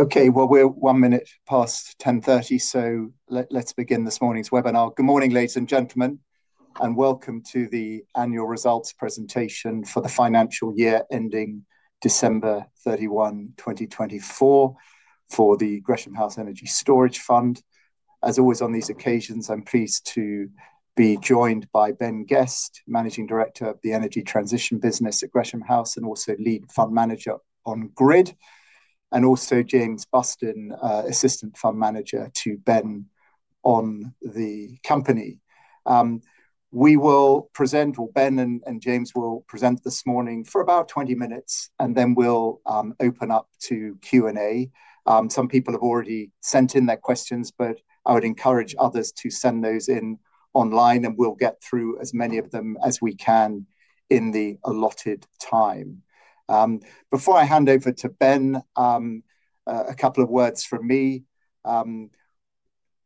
Okay, we're one minute past 10:30, so let's begin this morning's webinar. Good morning, ladies and gentlemen, and welcome to the annual results presentation for the financial year ending December 31, 2024, for the Gresham House Energy Storage Fund. As always, on these occasions, I'm pleased to be joined by Ben Guest, Managing Director of the Energy Transition Business at Gresham House and also Lead Fund Manager on GRID, and also James Bustin, Assistant Fund Manager to Ben on the company. We will present, or Ben and James will present this morning for about 20 minutes, and then we'll open up to Q&A. Some people have already sent in their questions, but I would encourage others to send those in online, and we'll get through as many of them as we can in the allotted time. Before I hand over to Ben, a couple of words from me.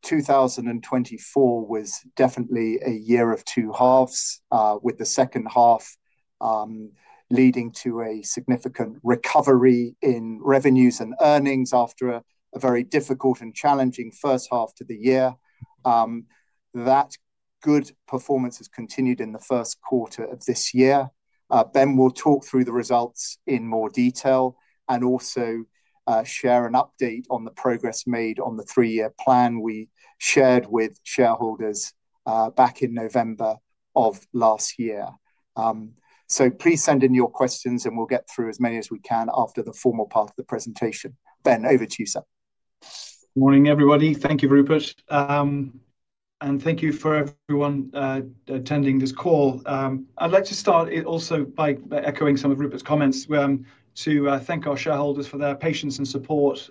2024 was definitely a year of two halves, with the second half leading to a significant recovery in revenues and earnings after a very difficult and challenging first half to the year. That good performance has continued in the first quarter of this year. Ben will talk through the results in more detail and also share an update on the progress made on the three-year plan we shared with shareholders back in November of last year. Please send in your questions, and we will get through as many as we can after the formal part of the presentation. Ben, over to you, sir. Morning, everybody. Thank you, Rupert. And thank you for everyone attending this call. I'd like to start also by echoing some of Rupert's comments to thank our shareholders for their patience and support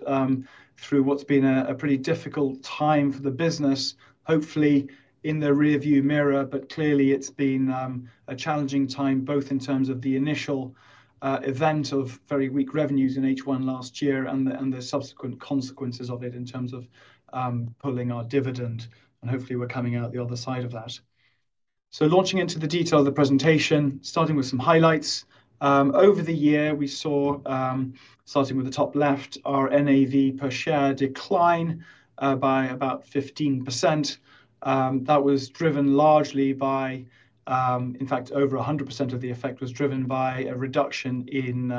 through what's been a pretty difficult time for the business, hopefully in the rearview mirror, but clearly it's been a challenging time both in terms of the initial event of very weak revenues in H1 last year and the subsequent consequences of it in terms of pulling our dividend. And hopefully we're coming out the other side of that. Launching into the detail of the presentation, starting with some highlights. Over the year, we saw, starting with the top left, our NAV per share decline by about 15%. That was driven largely by, in fact, over 100% of the effect was driven by a reduction in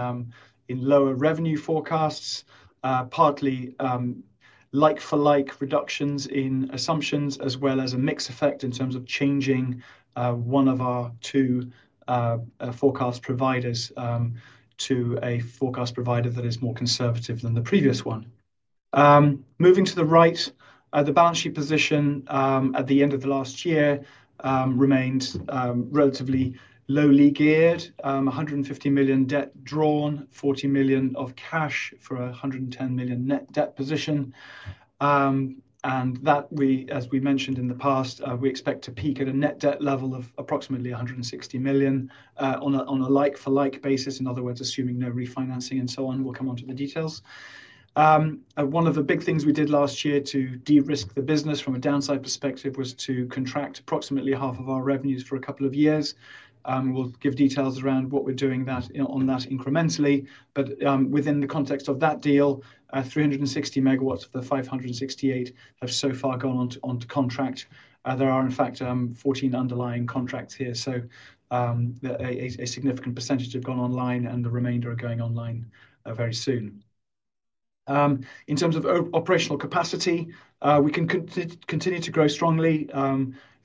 lower revenue forecasts, partly like-for-like reductions in assumptions, as well as a mixed effect in terms of changing one of our two forecast providers to a forecast provider that is more conservative than the previous one. Moving to the right, the balance sheet position at the end of the last year remained relatively lowly geared: 150 million debt drawn, 40 million of cash for a 110 million net debt position. That, as we mentioned in the past, we expect to peak at a net debt level of approximately 160 million on a like-for-like basis. In other words, assuming no refinancing and so on, we'll come on to the details. One of the big things we did last year to de-risk the business from a downside perspective was to contract approximately half of our revenues for a couple of years. We will give details around what we are doing on that incrementally. Within the context of that deal, 360 MW of the 568 MW have so far gone onto contract. There are, in fact, 14 underlying contracts here, so a significant percentage have gone online, and the remainder are going online very soon. In terms of operational capacity, we can continue to grow strongly.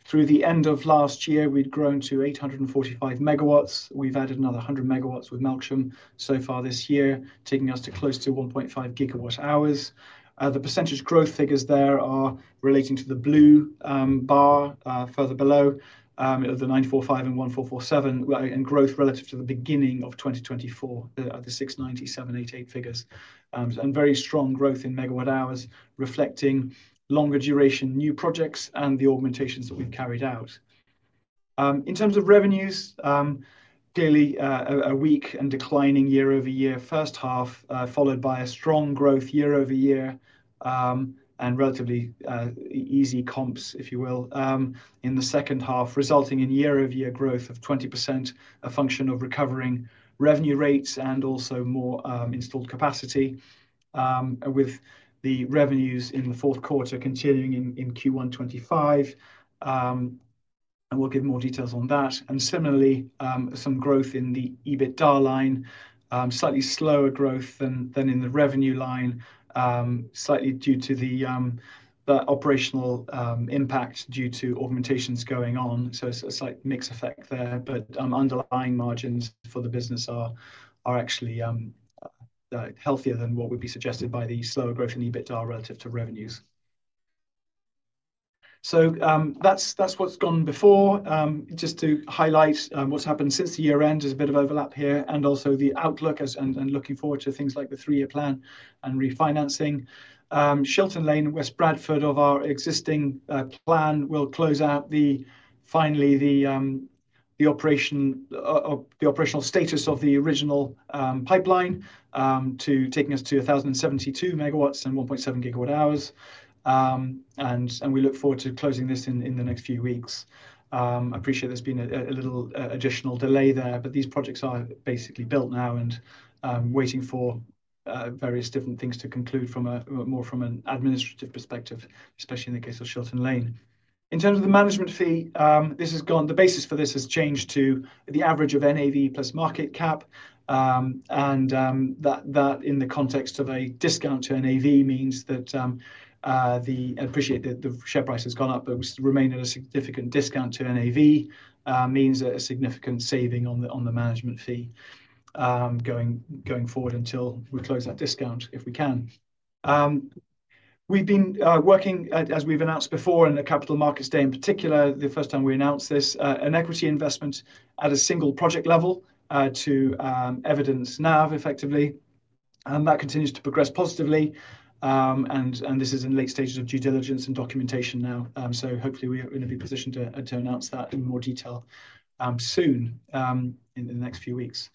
Through the end of last year, we had grown to 845 MW. We have added another 100 MW with Melksham so far this year, taking us to close to 1.5 GWh. The percentage growth figures there are relating to the blue bar further below, the 945 MW and 1,447 MWh, and growth relative to the beginning of 2024, the 69788 figures. Very strong growth in megawatt hours, reflecting longer duration new projects and the augmentations that we've carried out. In terms of revenues, clearly a weak and declining year-over-year first half, followed by strong growth year-over-year and relatively easy comps, if you will, in the second half, resulting in year-over-year growth of 20%, a function of recovering revenue rates and also more installed capacity, with the revenues in the fourth quarter continuing in Q1 2025. We'll give more details on that. Similarly, some growth in the EBITDA line, slightly slower growth than in the revenue line, slightly due to the operational impact due to augmentations going on. It's a slight mixed effect there, but underlying margins for the business are actually healthier than what would be suggested by the slower growth in EBITDA relative to revenues. That's what's gone before. Just to highlight what's happened since the year-end, there's a bit of overlap here, and also the outlook and looking forward to things like the three-year plan and refinancing. Shilton Lane and West Bradford of our existing plan will close out finally the operational status of the original pipeline, taking us to 1,072 MW and 1.7 GWh. We look forward to closing this in the next few weeks. I appreciate there's been a little additional delay there, but these projects are basically built now and waiting for various different things to conclude more from an administrative perspective, especially in the case of Shilton Lane. In terms of the management fee, this has gone, the basis for this has changed to the average of NAV plus market cap. That, in the context of a discount to NAV, means that I appreciate that the share price has gone up, but we remain at a significant discount to NAV, which means a significant saving on the management fee going forward until we close that discount if we can. We have been working, as we have announced before, and the capital markets day in particular, the first time we announced this, an equity investment at a single evidence NAV effectively. That continues to progress positively. This is in late stages of due diligence and documentation now. Hopefully, we are going to be positioned to announce that in more detail soon in the next few weeks.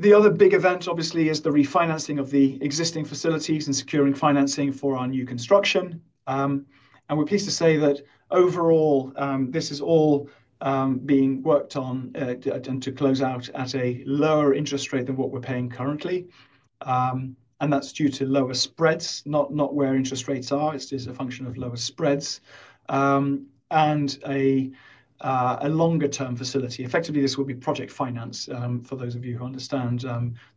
The other big event, obviously, is the refinancing of the existing facilities and securing financing for our new construction. We're pleased to say that overall, this is all being worked on to close out at a lower interest rate than what we're paying currently. That's due to lower spreads, not where interest rates are. It is a function of lower spreads and a longer-term facility. Effectively, this will be project finance for those of you who understand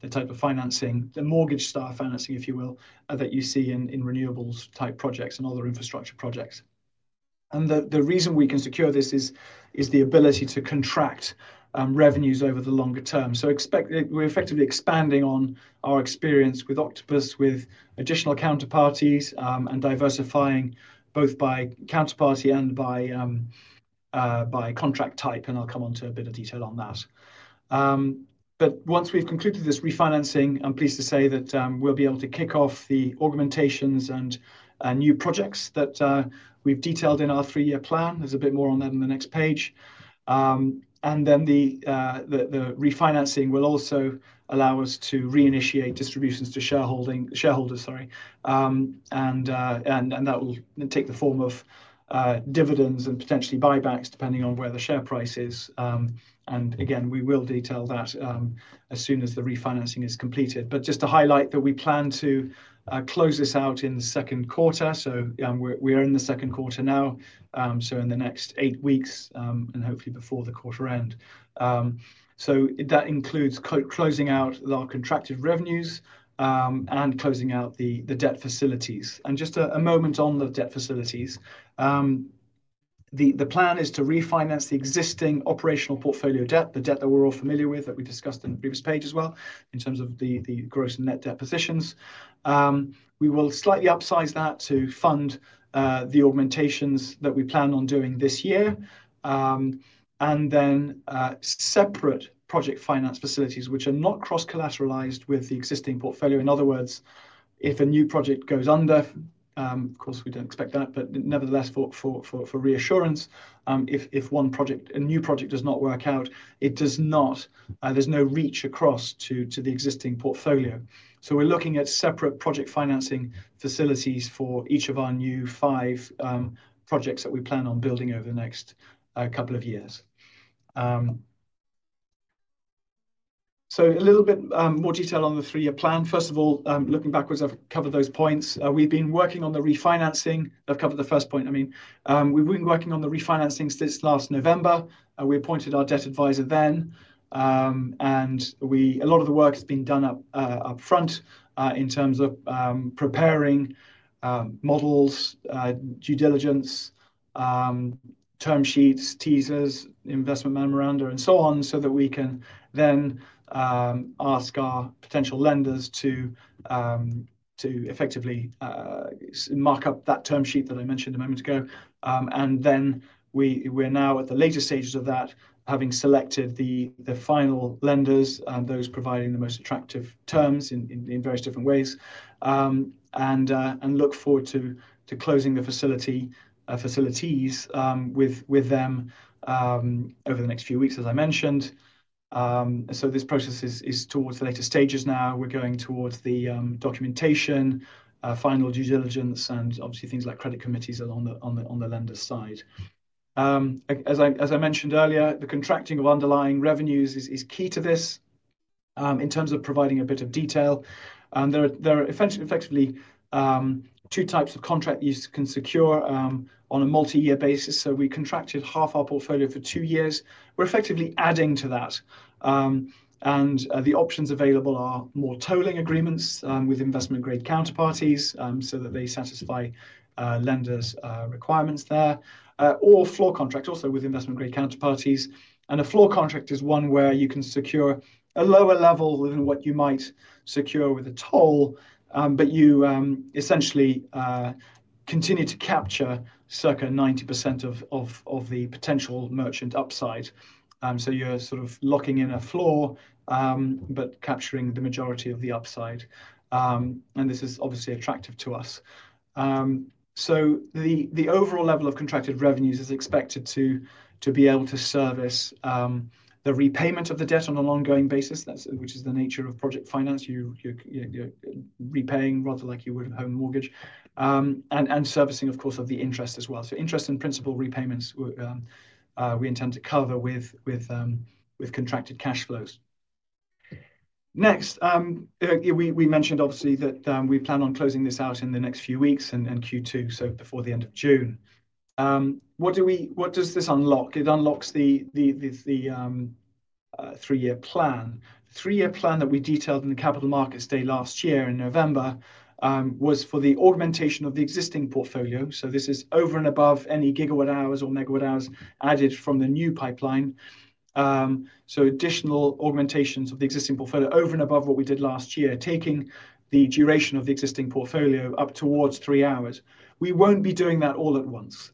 the type of financing, the mortgage-style financing, if you will, that you see in renewables-type projects and other infrastructure projects. The reason we can secure this is the ability to contract revenues over the longer term. We're effectively expanding on our experience with Octopus, with additional counterparties, and diversifying both by counterparty and by contract type. I'll come on to a bit of detail on that. Once we've concluded this refinancing, I'm pleased to say that we'll be able to kick off the augmentations and new projects that we've detailed in our three-year plan. There's a bit more on that in the next page. The refinancing will also allow us to reinitiate distributions to shareholders, sorry. That will take the form of dividends and potentially buybacks, depending on where the share price is. We will detail that as soon as the refinancing is completed. Just to highlight that we plan to close this out in the second quarter. We are in the second quarter now, in the next eight weeks and hopefully before the quarter end. That includes closing out our contracted revenues and closing out the debt facilities. Just a moment on the debt facilities. The plan is to refinance the existing operational portfolio debt, the debt that we're all familiar with that we discussed in the previous page as well, in terms of the gross net debt positions. We will slightly upsize that to fund the augmentations that we plan on doing this year. Then separate project finance facilities, which are not cross-collateralized with the existing portfolio. In other words, if a new project goes under, of course, we don't expect that, but nevertheless, for reassurance, if a new project does not work out, there's no reach across to the existing portfolio. We are looking at separate project financing facilities for each of our new five projects that we plan on building over the next couple of years. A little bit more detail on the three-year plan. First of all, looking backwards, I've covered those points. We've been working on the refinancing. I've covered the first point. I mean, we've been working on the refinancing since last November. We appointed our debt advisor then. A lot of the work has been done upfront in terms of preparing models, due diligence, term sheets, teasers, investment memoranda, and so on, so that we can then ask our potential lenders to effectively mark up that term sheet that I mentioned a moment ago. We're now at the later stages of that, having selected the final lenders and those providing the most attractive terms in various different ways, and look forward to closing the facilities with them over the next few weeks, as I mentioned. This process is towards the later stages now. We're going towards the documentation, final due diligence, and obviously things like credit committees on the lender's side. As I mentioned earlier, the contracting of underlying revenues is key to this in terms of providing a bit of detail. There are effectively two types of contract you can secure on a multi-year basis. We contracted half our portfolio for two years. We are effectively adding to that. The options available are more tolling agreements with investment-grade counterparties so that they satisfy lenders' requirements there, or floor contracts also with investment-grade counterparties. A floor contract is one where you can secure a lower level than what you might secure with a toll, but you essentially continue to capture circa 90% of the potential merchant upside. You are sort of locking in a floor but capturing the majority of the upside. This is obviously attractive to us. The overall level of contracted revenues is expected to be able to service the repayment of the debt on an ongoing basis, which is the nature of project finance. You are repaying rather like you would a home mortgage and servicing, of course, the interest as well. Interest and principal repayments we intend to cover with contracted cash flows. Next, we mentioned obviously that we plan on closing this out in the next few weeks and Q2, so before the end of June. What does this unlock? It unlocks the three-year plan. The three-year plan that we detailed in the capital markets day last year in November was for the augmentation of the existing portfolio. This is over and above any gigawatt hours or megawatt hours added from the new pipeline. Additional augmentations of the existing portfolio over and above what we did last year, taking the duration of the existing portfolio up towards three hours. We will not be doing that all at once.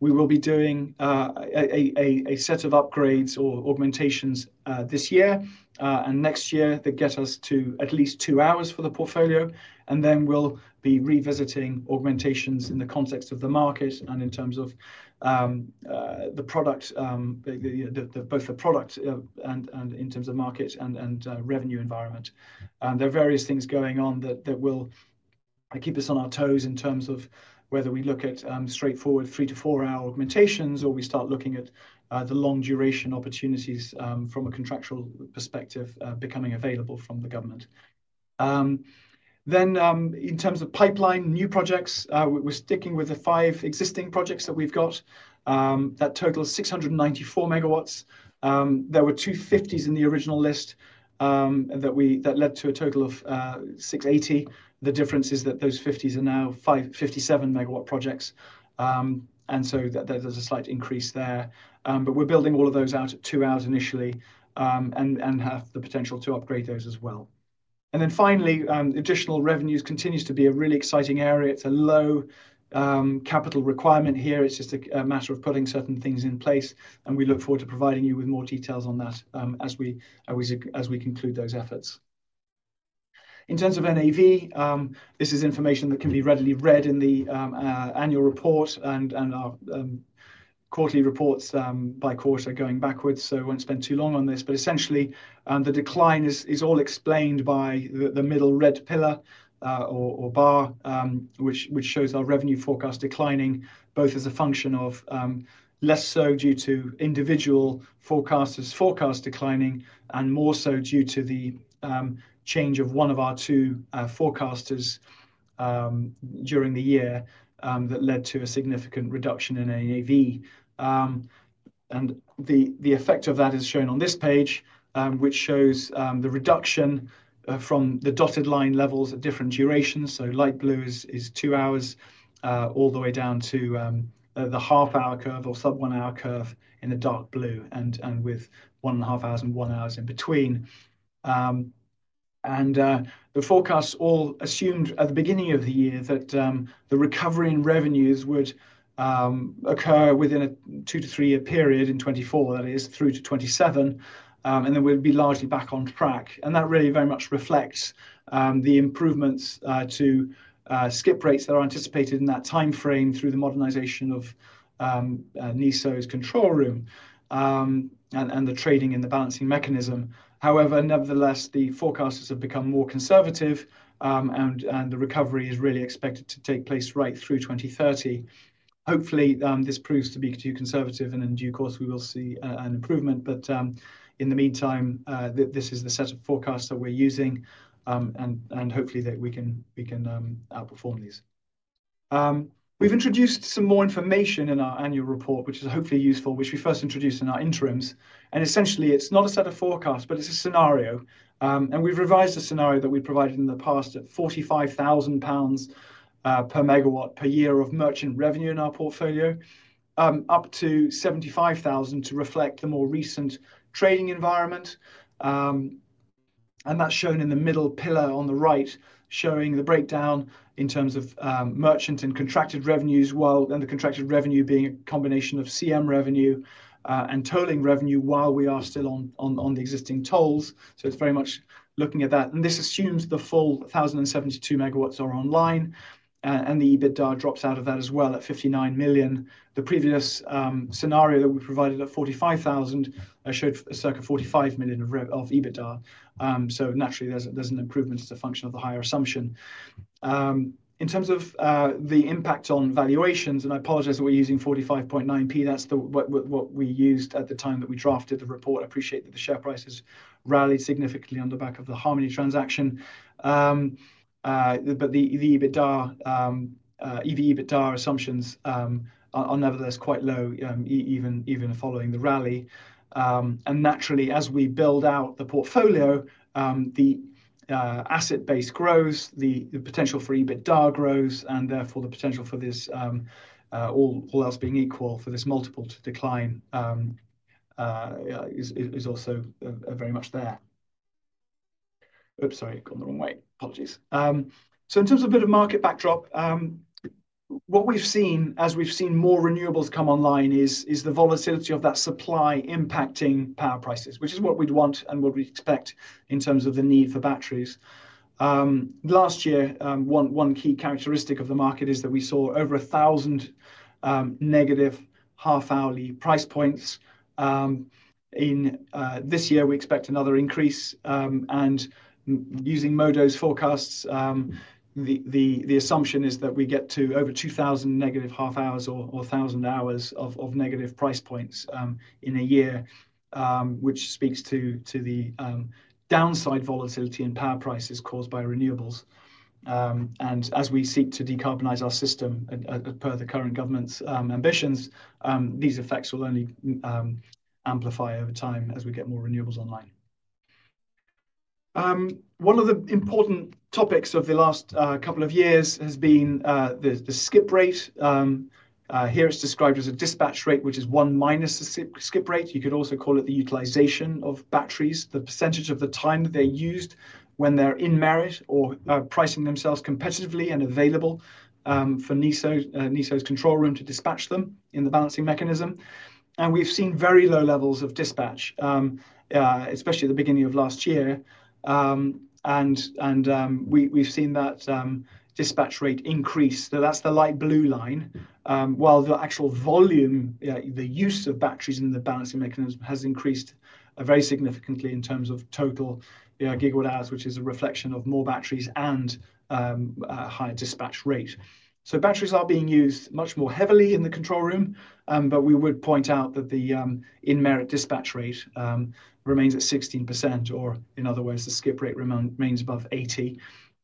We will be doing a set of upgrades or augmentations this year and next year that get us to at least two hours for the portfolio. We will be revisiting augmentations in the context of the market and in terms of the product, both the product and in terms of markets and revenue environment. There are various things going on that will keep us on our toes in terms of whether we look at straightforward three-to-four-hour augmentations or we start looking at the long-duration opportunities from a contractual perspective becoming available from the government. In terms of pipeline, new projects, we are sticking with the five existing projects that we have that total 694 MW. There were two 50s in the original list that led to a total of 680 MW. The difference is that those 50s are now 57 MW projects. There is a slight increase there. We are building all of those out at two hours initially and have the potential to upgrade those as well. Finally, additional revenues continues to be a really exciting area. It is a low capital requirement here. It is just a matter of putting certain things in place. We look forward to providing you with more details on that as we conclude those efforts. In terms of NAV, this is information that can be readily read in the annual report and our quarterly reports by quarter going backwards. I will not spend too long on this. Essentially, the decline is all explained by the middle red pillar or bar, which shows our revenue forecast declining, both as a function of less so due to individual forecasters' forecasts declining and more so due to the change of one of our two forecasters during the year that led to a significant reduction in NAV. The effect of that is shown on this page, which shows the reduction from the dotted line levels at different durations. Light blue is two hours all the way down to the half-hour curve or sub-one-hour curve in the dark blue, with one and a half hours and one hour in between. The forecasts all assumed at the beginning of the year that the recovery in revenues would occur within a two-to-three-year period in 2024, that is, through to 2027, and then we'd be largely back on track. That really very much reflects the improvements to skip rates that are anticipated in that timeframe through the modernisation of NESO’s control room and the trading in the Balancing Mechanism. However, nevertheless, the forecasters have become more conservative, and the recovery is really expected to take place right through 2030. Hopefully, this proves to be too conservative, and in due course, we will see an improvement. In the meantime, this is the set of forecasts that we're using, and hopefully, we can outperform these. We've introduced some more information in our annual report, which is hopefully useful, which we first introduced in our interims. Essentially, it's not a set of forecasts, but it's a scenario. We have revised a scenario that we provided in the past at 45,000 pounds per megawatt per year of merchant revenue in our portfolio, up to 75,000 to reflect the more recent trading environment. That is shown in the middle pillar on the right, showing the breakdown in terms of merchant and contracted revenues, and the contracted revenue being a combination of CM revenue and tolling revenue while we are still on the existing tolls. It is very much looking at that. This assumes the full 1,072 MW are online, and the EBITDA drops out of that as well at 59 million. The previous scenario that we provided at 45,000 showed circa 45 million of EBITDA. Naturally, there is an improvement as a function of the higher assumption. In terms of the impact on valuations, and I apologize that we're using 50.459, that's what we used at the time that we drafted the report. I appreciate that the share price has rallied significantly on the back of the Harmony transaction. The EV/EBITDA assumptions are nevertheless quite low, even following the rally. Naturally, as we build out the portfolio, the asset base grows, the potential for EBITDA grows, and therefore, the potential for this all else being equal for this multiple to decline is also very much there. Oops, sorry, I've gone the wrong way. Apologies. In terms of a bit of market backdrop, what we've seen, as we've seen more renewables come online, is the volatility of that supply impacting power prices, which is what we'd want and what we'd expect in terms of the need for batteries. Last year, one key characteristic of the market is that we saw over 1,000 negative half-hourly price points. This year, we expect another increase. Using Modo's forecasts, the assumption is that we get to over 2,000 negative half-hours or 1,000 hours of negative price points in a year, which speaks to the downside volatility in power prices caused by renewables. As we seek to decarbonize our system per the current government's ambitions, these effects will only amplify over time as we get more renewables online. One of the important topics of the last couple of years has been the skip rate. Here it is described as a dispatch rate, which is 1- the skip rate. You could also call it the utilization of batteries, the percentage of the time that they're used when they're in merit or pricing themselves competitively and NESO’s control room to dispatch them in the Balancing Mechanism. We have seen very low levels of dispatch, especially at the beginning of last year. We have seen that dispatch rate increase. That is the light blue line. The actual volume, the use of batteries in the Balancing Mechanism, has increased very significantly in terms of total gigawatt hours, which is a reflection of more batteries and a higher dispatch rate. Batteries are being used much more heavily in the control room, but we would point out that the in-merit dispatch rate remains at 16%, or in other words, the skip rate remains above 80%.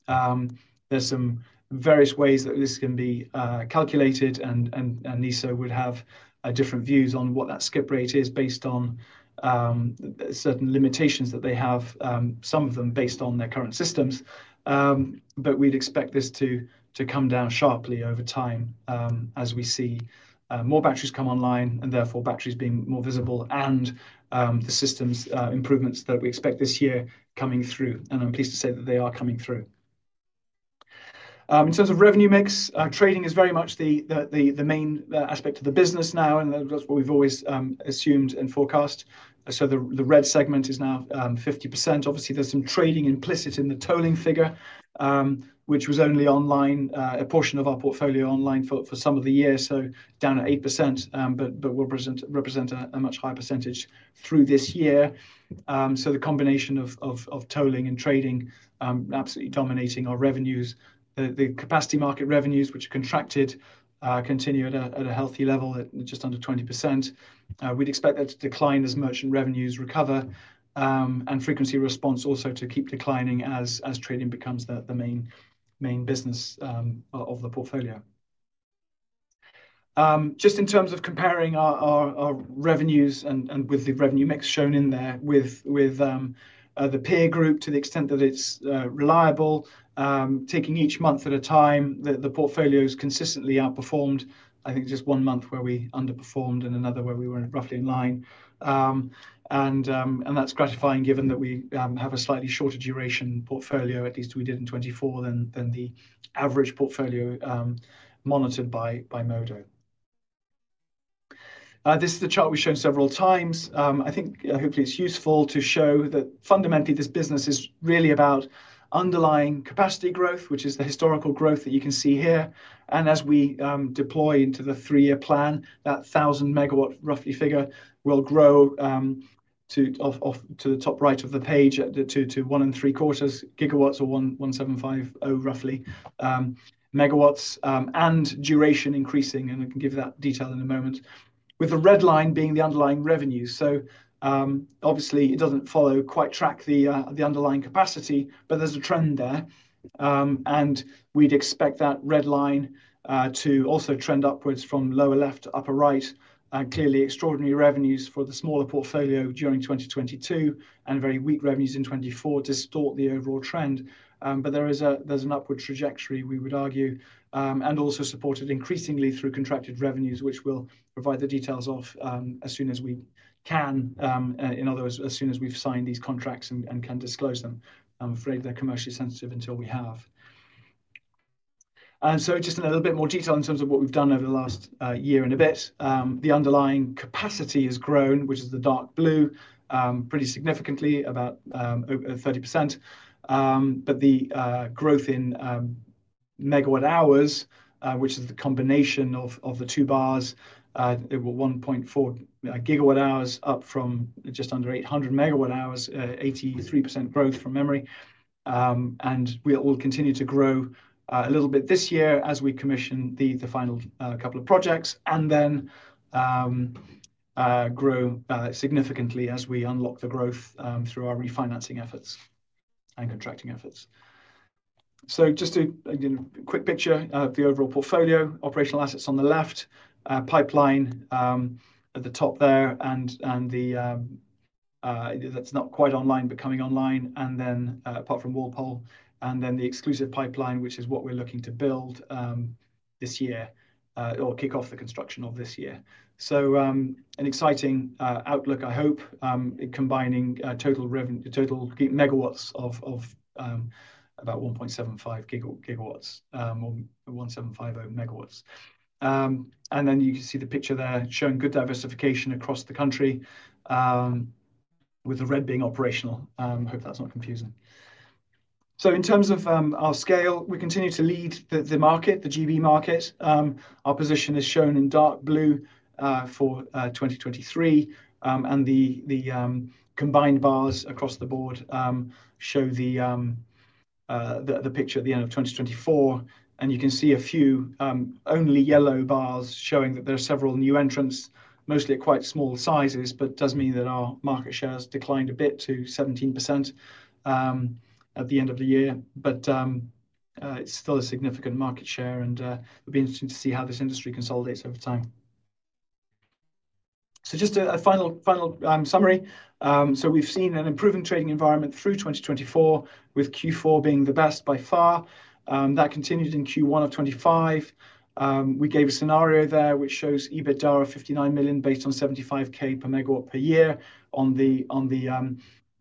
There are some various ways that this can be NESO would have different views on what that skip rate is based on certain limitations that they have, some of them based on their current systems. We would expect this to come down sharply over time as we see more batteries come online and therefore batteries being more visible and the systems improvements that we expect this year coming through. I am pleased to say that they are coming through. In terms of revenue mix, trading is very much the main aspect of the business now, and that is what we have always assumed and forecast. The red segment is now 50%. Obviously, there is some trading implicit in the tolling figure, which was only online, a portion of our portfolio online for some of the year, so down at 8%, but will represent a much higher percentage through this year. The combination of tolling and trading absolutely dominating our revenues. The Capacity Market revenues, which are contracted, continue at a healthy level at just under 20%. We'd expect that to decline as merchant revenues recover and frequency response also to keep declining as trading becomes the main business of the portfolio. Just in terms of comparing our revenues and with the revenue mix shown in there with the peer group to the extent that it's reliable, taking each month at a time, the portfolios consistently outperformed. I think just one month where we underperformed and another where we were roughly in line. That's gratifying given that we have a slightly shorter duration portfolio, at least we did in 2024, than the average portfolio monitored by Modo. This is the chart we've shown several times. I think hopefully it's useful to show that fundamentally this business is really about underlying capacity growth, which is the historical growth that you can see here. As we deploy into the three-year plan, that 1,000 MW roughly figure will grow to the top right of the page to one and three quarters gigawatts or 1,750 roughly megawatts and duration increasing, and I can give that detail in a moment. The red line is the underlying revenues. Obviously, it doesn't quite track the underlying capacity, but there's a trend there. We'd expect that red line to also trend upwards from lower left to upper right. Clearly, extraordinary revenues for the smaller portfolio during 2022 and very weak revenues in 2024 distort the overall trend. There is an upward trajectory, we would argue, and also supported increasingly through contracted revenues, which we will provide the details of as soon as we can, in other words, as soon as we have signed these contracts and can disclose them. I am afraid they are commercially sensitive until we have. Just in a little bit more detail in terms of what we have done over the last year and a bit, the underlying capacity has grown, which is the dark blue, pretty significantly, about 30%. The growth in megawatt hours, which is the combination of the two bars, is 1.4 GWh up from just under 800 MWh, 83% growth from memory. We will continue to grow a little bit this year as we commission the final couple of projects and then grow significantly as we unlock the growth through our refinancing efforts and contracting efforts. Just a quick picture of the overall portfolio, operational assets on the left, pipeline at the top there, and that's not quite online, but coming online, and then apart from Wall Pole, and then the exclusive pipeline, which is what we're looking to build this year or kick off the construction of this year. An exciting outlook, I hope, combining total megawatts of about 1.75 GW or 1,750 MW. You can see the picture there showing good diversification across the country with the red being operational. I hope that's not confusing. In terms of our scale, we continue to lead the market, the GB market. Our position is shown in dark blue for 2023, and the combined bars across the board show the picture at the end of 2024. You can see a few only yellow bars showing that there are several new entrants, mostly at quite small sizes, but it does mean that our market share has declined a bit to 17% at the end of the year. It is still a significant market share, and it will be interesting to see how this industry consolidates over time. Just a final summary. We have seen an improving trading environment through 2024 with Q4 being the best by far. That continued in Q1 of 2025. We gave a scenario there which shows EBITDA of 59 million based on 75,000 per megawatt per year on the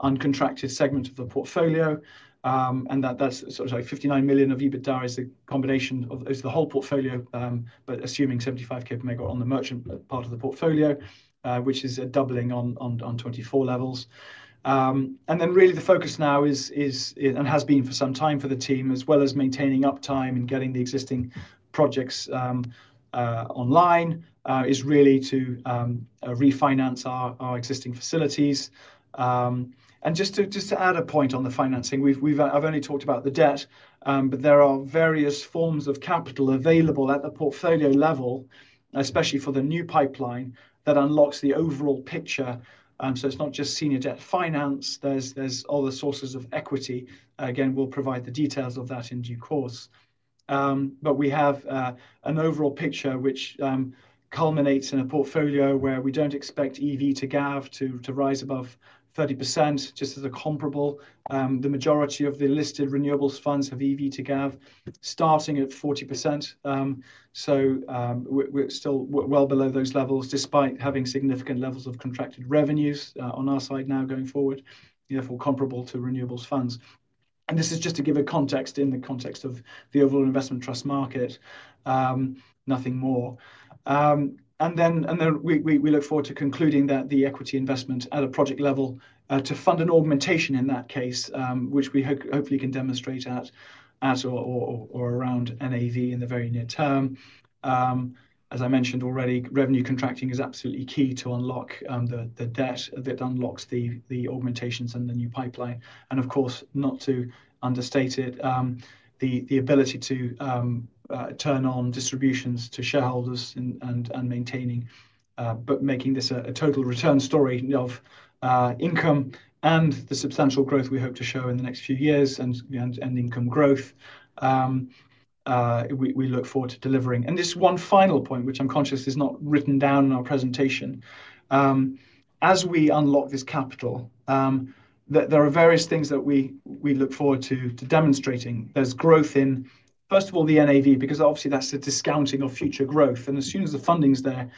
uncontracted segment of the portfolio. That 59 million of EBITDA is a combination of the whole portfolio, but assuming 75,000 per megawatt on the merchant part of the portfolio, which is a doubling on 2024 levels. Really the focus now is and has been for some time for the team, as well as maintaining uptime and getting the existing projects online, is really to refinance our existing facilities. Just to add a point on the financing, I've only talked about the debt, but there are various forms of capital available at the portfolio level, especially for the new pipeline that unlocks the overall picture. It is not just senior debt finance. There are other sources of equity. Again, we'll provide the details of that in due course. We have an overall picture which culminates in a portfolio where we do not expect EV to GAV to rise above 30%, just as a comparable. The majority of the listed renewables funds have EV to GAV starting at 40%. We're still well below those levels despite having significant levels of contracted revenues on our side now going forward, therefore comparable to renewables funds. This is just to give a context in the context of the overall investment trust market, nothing more. We look forward to concluding that the equity investment at a project level to fund an augmentation in that case, which we hopefully can demonstrate at or around NAV in the very near term. As I mentioned already, revenue contracting is absolutely key to unlock the debt that unlocks the augmentations and the new pipeline. Of course, not to understate it, the ability to turn on distributions to shareholders and maintaining, but making this a total return story of income and the substantial growth we hope to show in the next few years and income growth. We look forward to delivering. One final point, which I am conscious is not written down in our presentation. As we unlock this capital, there are various things that we look forward to demonstrating. There is growth in, first of all, the NAV, because obviously that is a discounting of future growth. As soon as the funding is there,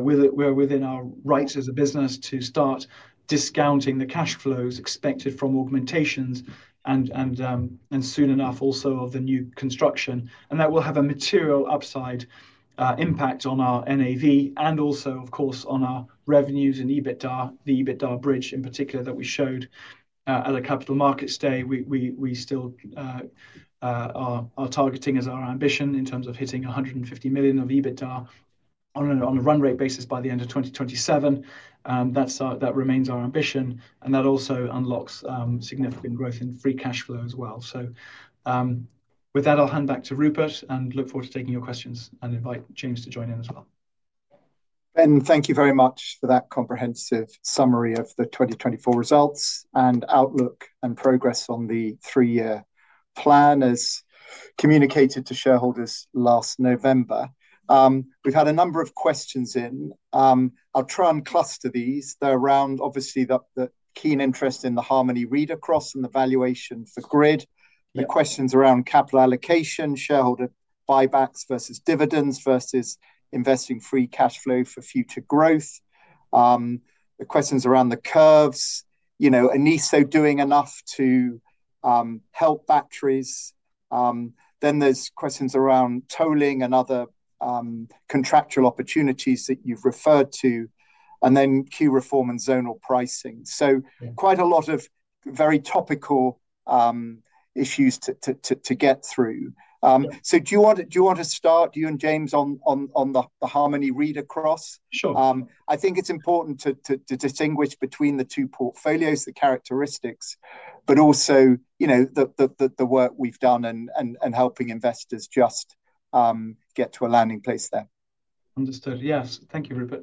we are within our rights as a business to start discounting the cash flows expected from augmentations and soon enough also of the new construction. That will have a material upside impact on our NAV and also, of course, on our revenues and EBITDA, the EBITDA bridge in particular that we showed at a capital markets day. We still are targeting as our ambition in terms of hitting 150 million of EBITDA on a run rate basis by the end of 2027. That remains our ambition. That also unlocks significant growth in free cash flow as well. With that, I'll hand back to Rupert and look forward to taking your questions and invite James to join in as well. Ben, thank you very much for that comprehensive summary of the 2024 results and outlook and progress on the three-year plan as communicated to shareholders last November. We've had a number of questions in. I'll try and cluster these. They're around, obviously, the keen in Harmony read across and the valuation for GRID, the questions around capital allocation, shareholder buybacks versus dividends versus investing free cash flow for future growth, the questions around the curves NESO doing enough to help batteries? There are questions around tolling and other contractual opportunities that you've referred to, and then Q reform and zonal pricing. Quite a lot of very topical issues to get through. Do you want to start, you and James, on the Harmony reader cross? Sure. I think it is important to distinguish between the two portfolios, the characteristics, but also the work we have done and helping investors just get to a landing place there. Understood. Yes. Thank you, Rupert.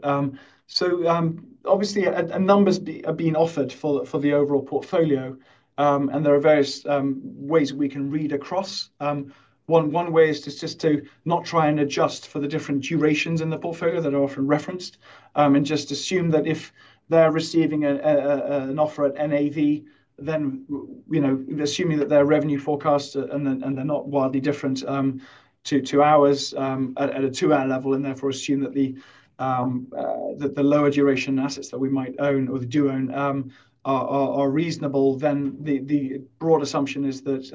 Obviously, numbers are being offered for the overall portfolio, and there are various ways we can read across. One way is just to not try and adjust for the different durations in the portfolio that are often referenced and just assume that if they're receiving an offer at NAV, then assuming that their revenue forecast and they're not wildly different to ours at a two-hour level and therefore assume that the lower duration assets that we might own or do own are reasonable, then the broad assumption is that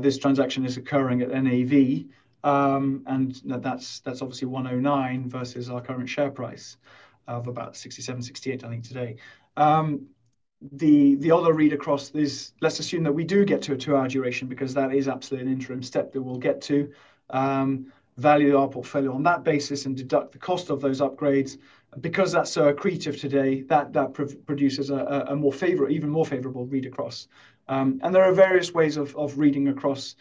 this transaction is occurring at NAV and that's obviously 109 versus our current share price of about 67-68, I think, today. The other reader cross is, let's assume that we do get to a two-hour duration because that is absolutely an interim step that we'll get to, value our portfolio on that basis and deduct the cost of those upgrades. Because that's so accretive today, that produces a more favorable, even more favorable reader cross. There are various ways of reading across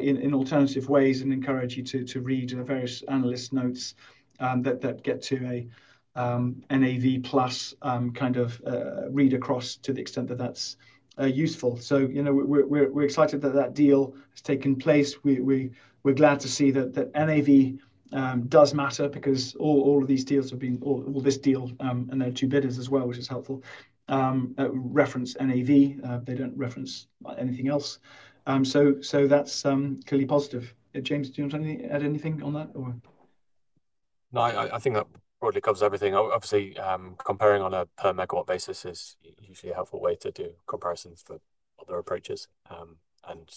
in alternative ways and encourage you to read various analyst notes that get to a NAV plus kind of reader cross to the extent that that's useful. We are excited that that deal has taken place. We are glad to see that NAV does matter because all of these deals have been all this deal and there are two bidders as well, which is helpful. Reference NAV. They do not reference anything else. That is clearly positive. James, do you want to add anything on that? No, I think that probably covers everything. Obviously, comparing on a per megawatt basis is usually a helpful way to do comparisons for other approaches and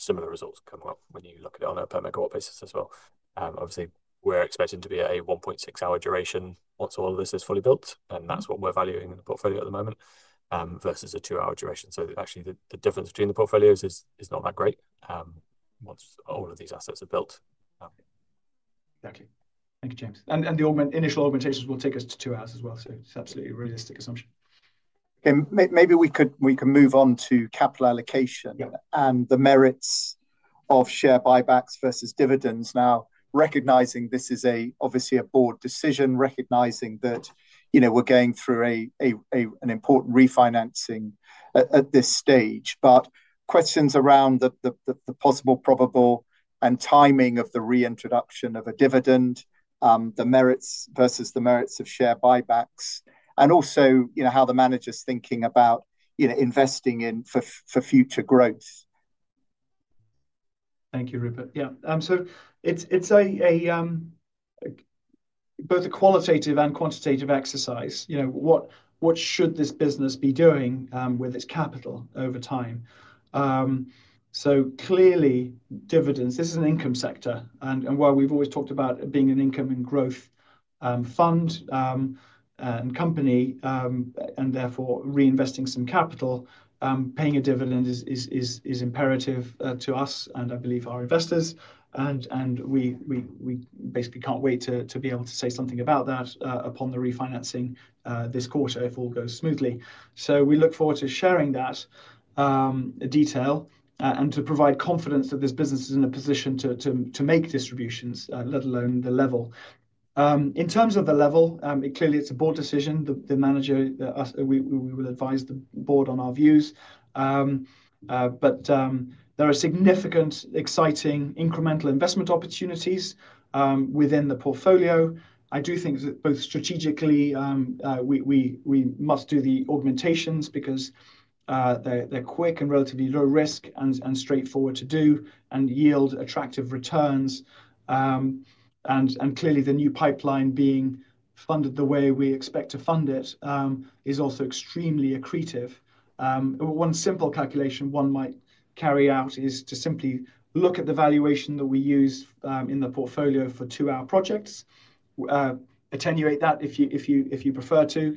similar results come up when you look at it on a per megawatt basis as well. Obviously, we're expecting to be at a 1.6-hour duration once all of this is fully built, and that's what we're valuing in the portfolio at the moment versus a two-hour duration. Actually, the difference between the portfolios is not that great once all of these assets are built. Thank you. Thank you, James. The initial augmentations will take us to two hours as well. It's absolutely a realistic assumption. Okay. Maybe we can move on to capital allocation and the merits of share buybacks versus dividends. Now, recognizing this is obviously a board decision, recognizing that we're going through an important refinancing at this stage, but questions around the possible, probable, and timing of the reintroduction of a dividend, the merits versus the merits of share buybacks, and also how the manager's thinking about investing in for future growth. Thank you, Rupert. Yeah. It is both a qualitative and quantitative exercise. What should this business be doing with its capital over time? Clearly, dividends, this is an income sector. While we have always talked about it being an income and growth fund and company, and therefore reinvesting some capital, paying a dividend is imperative to us and I believe our investors. We basically cannot wait to be able to say something about that upon the refinancing this quarter if all goes smoothly. We look forward to sharing that detail and to provide confidence that this business is in a position to make distributions, let alone the level. In terms of the level, clearly, it is a board decision. The manager, we will advise the board on our views. There are significant, exciting, incremental investment opportunities within the portfolio. I do think that both strategically, we must do the augmentations because they're quick and relatively low risk and straightforward to do and yield attractive returns. Clearly, the new pipeline being funded the way we expect to fund it is also extremely accretive. One simple calculation one might carry out is to simply look at the valuation that we use in the portfolio for two-hour projects, attenuate that if you prefer to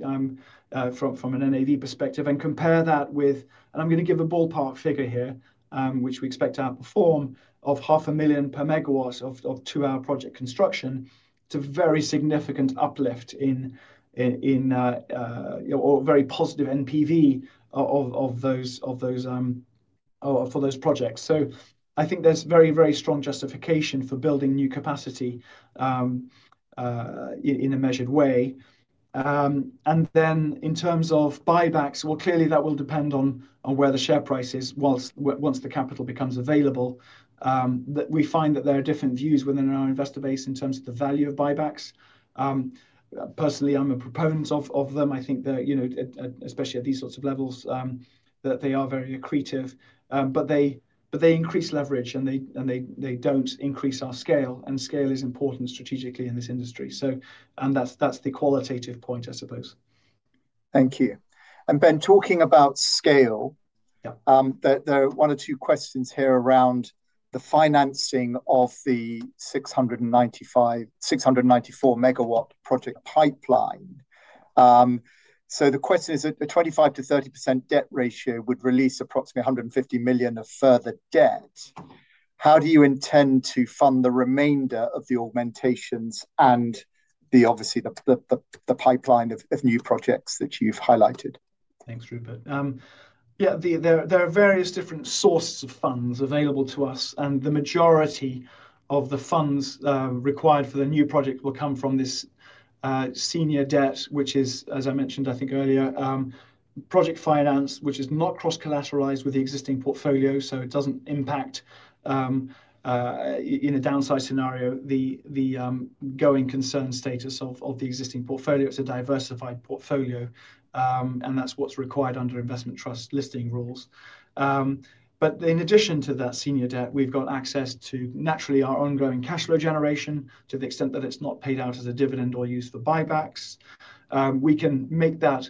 from an NAV perspective, and compare that with, and I'm going to give a ballpark figure here, which we expect to outperform 500,000 per megawatt of two-hour project construction. It is a very significant uplift in or very positive NPV of those for those projects. I think there is very, very strong justification for building new capacity in a measured way. In terms of buybacks, that will depend on where the share price is once the capital becomes available. We find that there are different views within our investor base in terms of the value of buybacks. Personally, I'm a proponent of them. I think that especially at these sorts of levels, that they are very accretive. They increase leverage, and they do not increase our scale. Scale is important strategically in this industry. That is the qualitative point, I suppose. Thank you. Ben, talking about scale, there are one or two questions here around the financing of the 694 MW project pipeline. The question is, a 25%-30% debt ratio would release approximately 150 million of further debt. How do you intend to fund the remainder of the augmentations and the pipeline of new projects that you have highlighted? Thanks, Rupert. Yeah, there are various different sources of funds available to us. The majority of the funds required for the new project will come from this senior debt, which is, as I mentioned, I think earlier, project finance, which is not cross-collateralized with the existing portfolio. It does not impact, in a downside scenario, the going concern status of the existing portfolio. It is a diversified portfolio. That is what is required under investment trust listing rules. In addition to that senior debt, we have got access to, naturally, our ongoing cash flow generation to the extent that it is not paid out as a dividend or used for buybacks. We can make that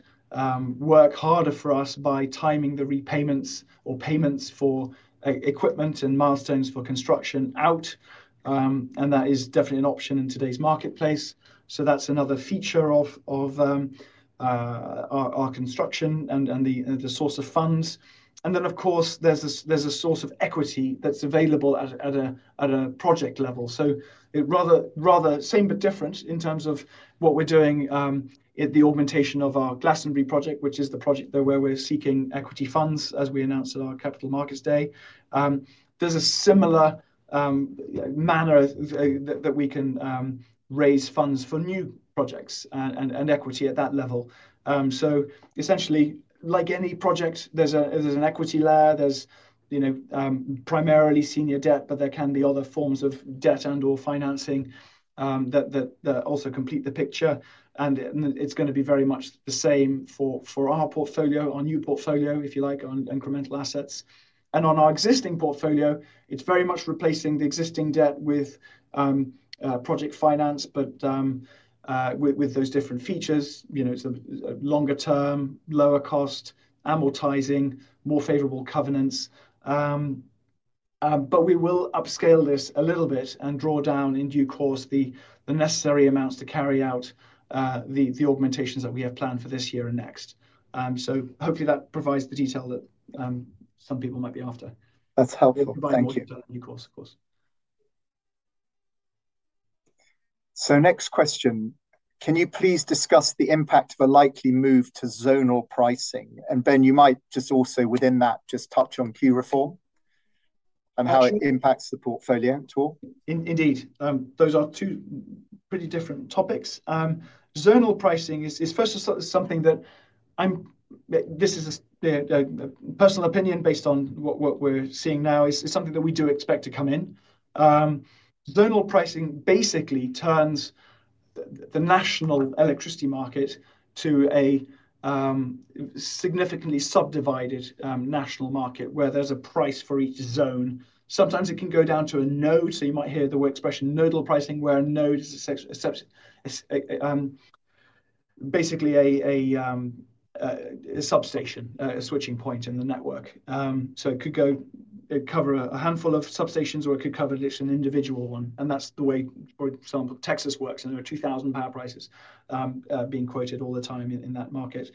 work harder for us by timing the repayments or payments for equipment and milestones for construction out. That is definitely an option in today's marketplace. That is another feature of our construction and the source of funds. Of course, there is a source of equity that is available at a project level. Rather same but different in terms of what we are doing, the augmentation of our Glastonbury project, which is the project where we are seeking equity funds as we announced at our capital markets day. In a similar manner, we can raise funds for new projects and equity at that level. Essentially, like any project, there is an equity layer. There is primarily senior debt, but there can be other forms of debt and/or financing that also complete the picture. It is going to be very much the same for our portfolio, our new portfolio, if you like, on incremental assets. On our existing portfolio, it is very much replacing the existing debt with project finance, but with those different features. It is a longer term, lower cost, amortizing, more favorable covenants. We will upscale this a little bit and draw down, in due course, the necessary amounts to carry out the augmentations that we have planned for this year and next. Hopefully, that provides the detail that some people might be after. That's helpful. Thank you. Thank you. Of course, of course. Next question. Can you please discuss the impact of a likely move to zonal pricing? Ben, you might just also within that, just touch on Q reform and how it impacts the portfolio tool. Indeed. Those are two pretty different topics. Zonal pricing is, first of all, something that I'm, this is a personal opinion based on what we're seeing now. It's something that we do expect to come in. Zonal pricing basically turns the national electricity market to a significantly subdivided national market where there's a price for each zone. Sometimes it can go down to a node. You might hear the word expression nodal pricing, where a node is basically a substation, a switching point in the network. It could cover a handful of substations or it could cover just an individual one. That is the way, for example, Texas works. There are 2,000 power prices being quoted all the time in that market.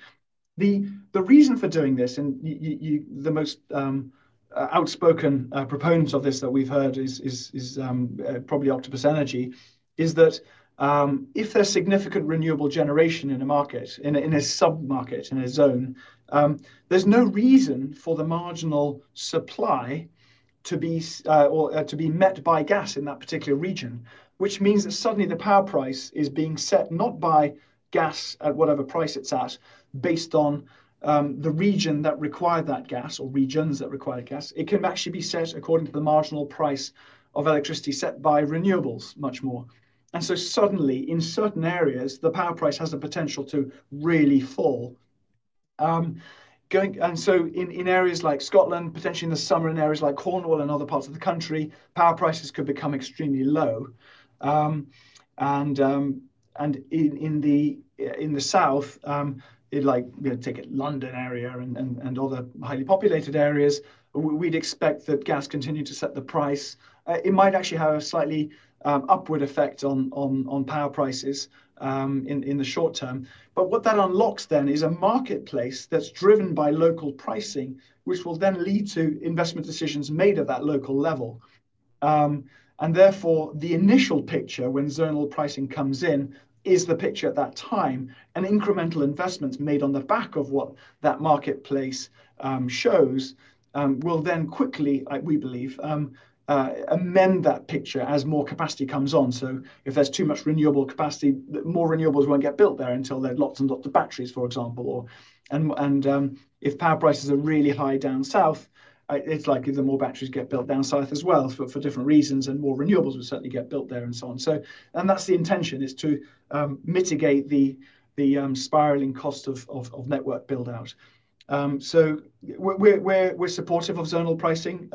The reason for doing this, and the most outspoken proponents of this that we've heard is probably Octopus Energy, is that if there is significant renewable generation in a market, in a submarket, in a zone, there is no reason for the marginal supply to be met by gas in that particular region, which means that suddenly the power price is being set not by gas at whatever price it is at based on the region that required that gas or regions that required gas. It can actually be set according to the marginal price of electricity set by renewables much more. Suddenly, in certain areas, the power price has the potential to really fall. In areas like Scotland, potentially in the summer, in areas like Cornwall and other parts of the country, power prices could become extremely low. In the south, like take it London area and other highly populated areas, we'd expect that gas continued to set the price. It might actually have a slightly upward effect on power prices in the short term. What that unlocks then is a marketplace that's driven by local pricing, which will then lead to investment decisions made at that local level. Therefore, the initial picture when zonal pricing comes in is the picture at that time. Incremental investments made on the back of what that marketplace shows will then quickly, we believe, amend that picture as more capacity comes on. If there is too much renewable capacity, more renewables will not get built there until there are lots and lots of batteries, for example. If power prices are really high down south, it is likely that more batteries get built down south as well for different reasons. More renewables will certainly get built there and so on. That is the intention. It is to mitigate the spiraling cost of network build-out. We are supportive of zonal pricing.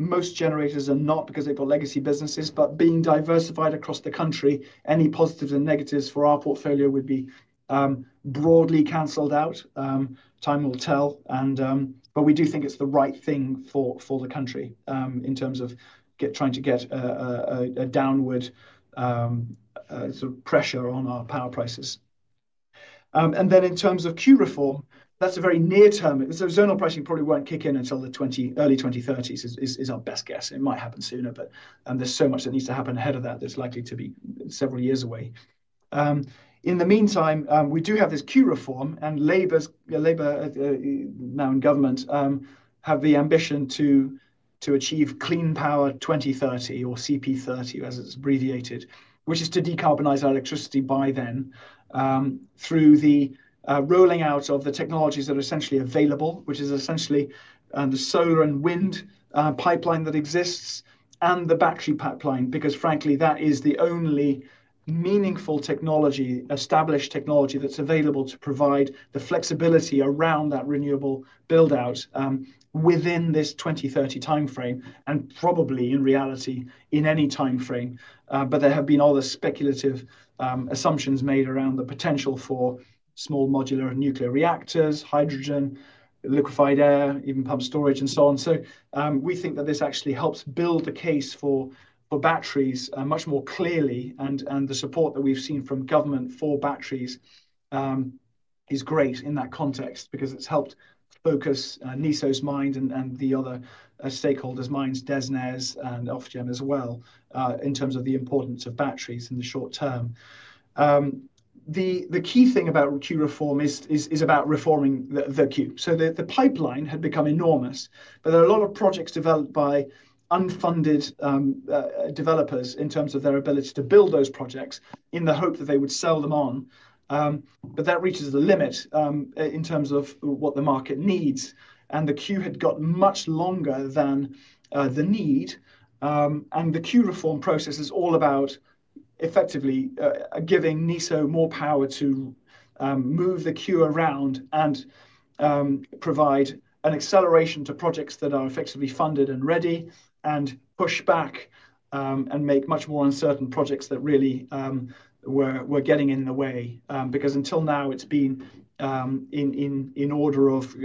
Most generators are not because they have got legacy businesses. Being diversified across the country, any positives and negatives for our portfolio would be broadly canceled out. Time will tell. We do think it's the right thing for the country in terms of trying to get a downward sort of pressure on our power prices. In terms of Q reform, that's a very near term. Zonal pricing probably won't kick in until the early 2030s is our best guess. It might happen sooner, but there's so much that needs to happen ahead of that that's likely to be several years away. In the meantime, we do have this Q reform. Labour now in government have the ambition to achieve Clean Power 2030 or CP30, as it's abbreviated, which is to decarbonize our electricity by then through the rolling out of the technologies that are essentially available, which is essentially the solar and wind pipeline that exists and the battery pipeline, because frankly, that is the only meaningful technology, established technology that's available to provide the flexibility around that renewable build-out within this 2030 timeframe and probably in reality in any timeframe. There have been other speculative assumptions made around the potential for small modular nuclear reactors, hydrogen, liquefied air, even pump storage, and so on. We think that this actually helps build the case for batteries much more clearly. The support that we've seen from government for batteries is great in that context because it's NESO’s mind and the other stakeholders' minds, DESNZ and Ofgem as well, in terms of the importance of batteries in the short term. The key thing about Q reform is about reforming the queue. The pipeline had become enormous, but there are a lot of projects developed by unfunded developers in terms of their ability to build those projects in the hope that they would sell them on. That reaches the limit in terms of what the market needs. The queue had gotten much longer than the need. The Q reform process is all about NESO more power to move the queue around and provide an acceleration to projects that are effectively funded and ready, and push back and make much more uncertain projects that really were getting in the way. Because until now, it has been in order of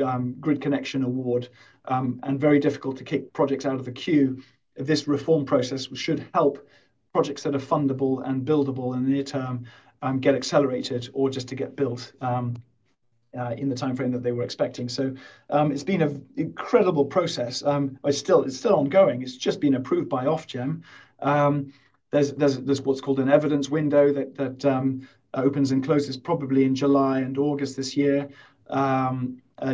grid connection award and very difficult to kick projects out of the queue. This reform process should help projects that are fundable and buildable in the near term get accelerated or just to get built in the timeframe that they were expecting. It has been an incredible process. It is still ongoing. It has just been approved by Ofgem. There is what is called an evidence window that opens and closes probably in July and August this year,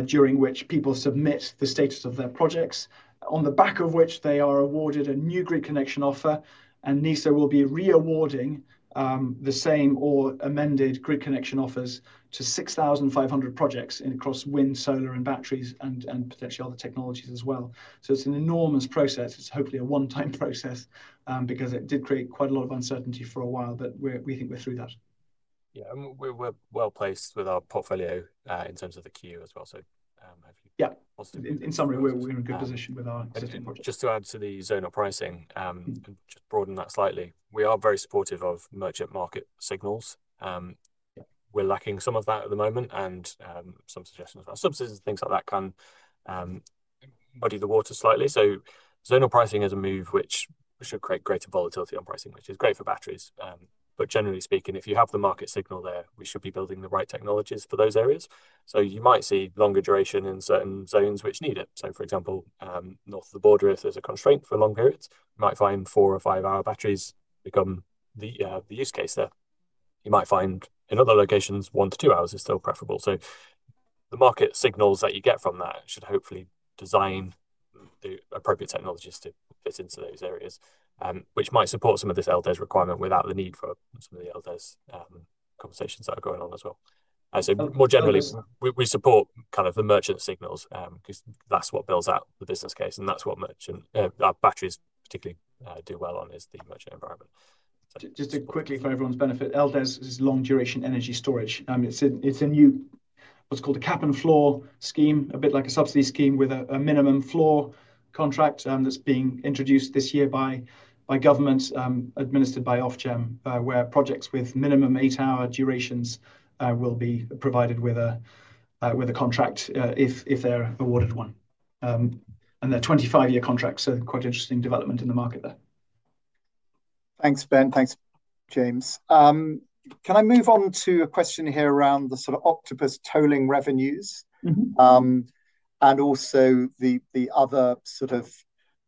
during which people submit the status of their projects, on the back of which they are awarded a new grid connection offer. NESO will be reawarding the same or amended grid connection offers to 6,500 projects across wind, solar, and batteries, and potentially other technologies as well. It is an enormous process. It is hopefully a one-time process because it did create quite a lot of uncertainty for a while, but we think we are through that. Yeah. We are well placed with our portfolio in terms of the queue as well. Hopefully. In summary, we are in a good position with our existing projects. Just to add to the zonal pricing and just broaden that slightly, we are very supportive of merchant market signals. We are lacking some of that at the moment and some suggestions about subsidies and things like that can muddy the water slightly. Zonal pricing is a move which should create greater volatility on pricing, which is great for batteries. Generally speaking, if you have the market signal there, we should be building the right technologies for those areas. You might see longer duration in certain zones which need it. For example, north of the border, if there is a constraint for long periods, you might find four- or five-hour batteries become the use case there. You might find in other locations, one to two hours is still preferable. The market signals that you get from that should hopefully design the appropriate technologies to fit into those areas, which might support some of this LDES requirement without the need for some of the LDES conversations that are going on as well. More generally, we support kind of the merchant signals because that is what builds out the business case. That is what batteries particularly do well on, is the merchant environment. Just quickly for everyone's benefit, LDES is long-duration energy storage. It's a new, what's called a cap and floor scheme, a bit like a subsidy scheme with a minimum floor contract that's being introduced this year by government administered by Ofgem, where projects with minimum eight-hour durations will be provided with a contract if they're awarded one. And they're 25-year contracts. Quite interesting development in the market there. Thanks, Ben. Thanks, James. Can I move on to a question here around the sort of Octopus tolling revenues and also the other sort of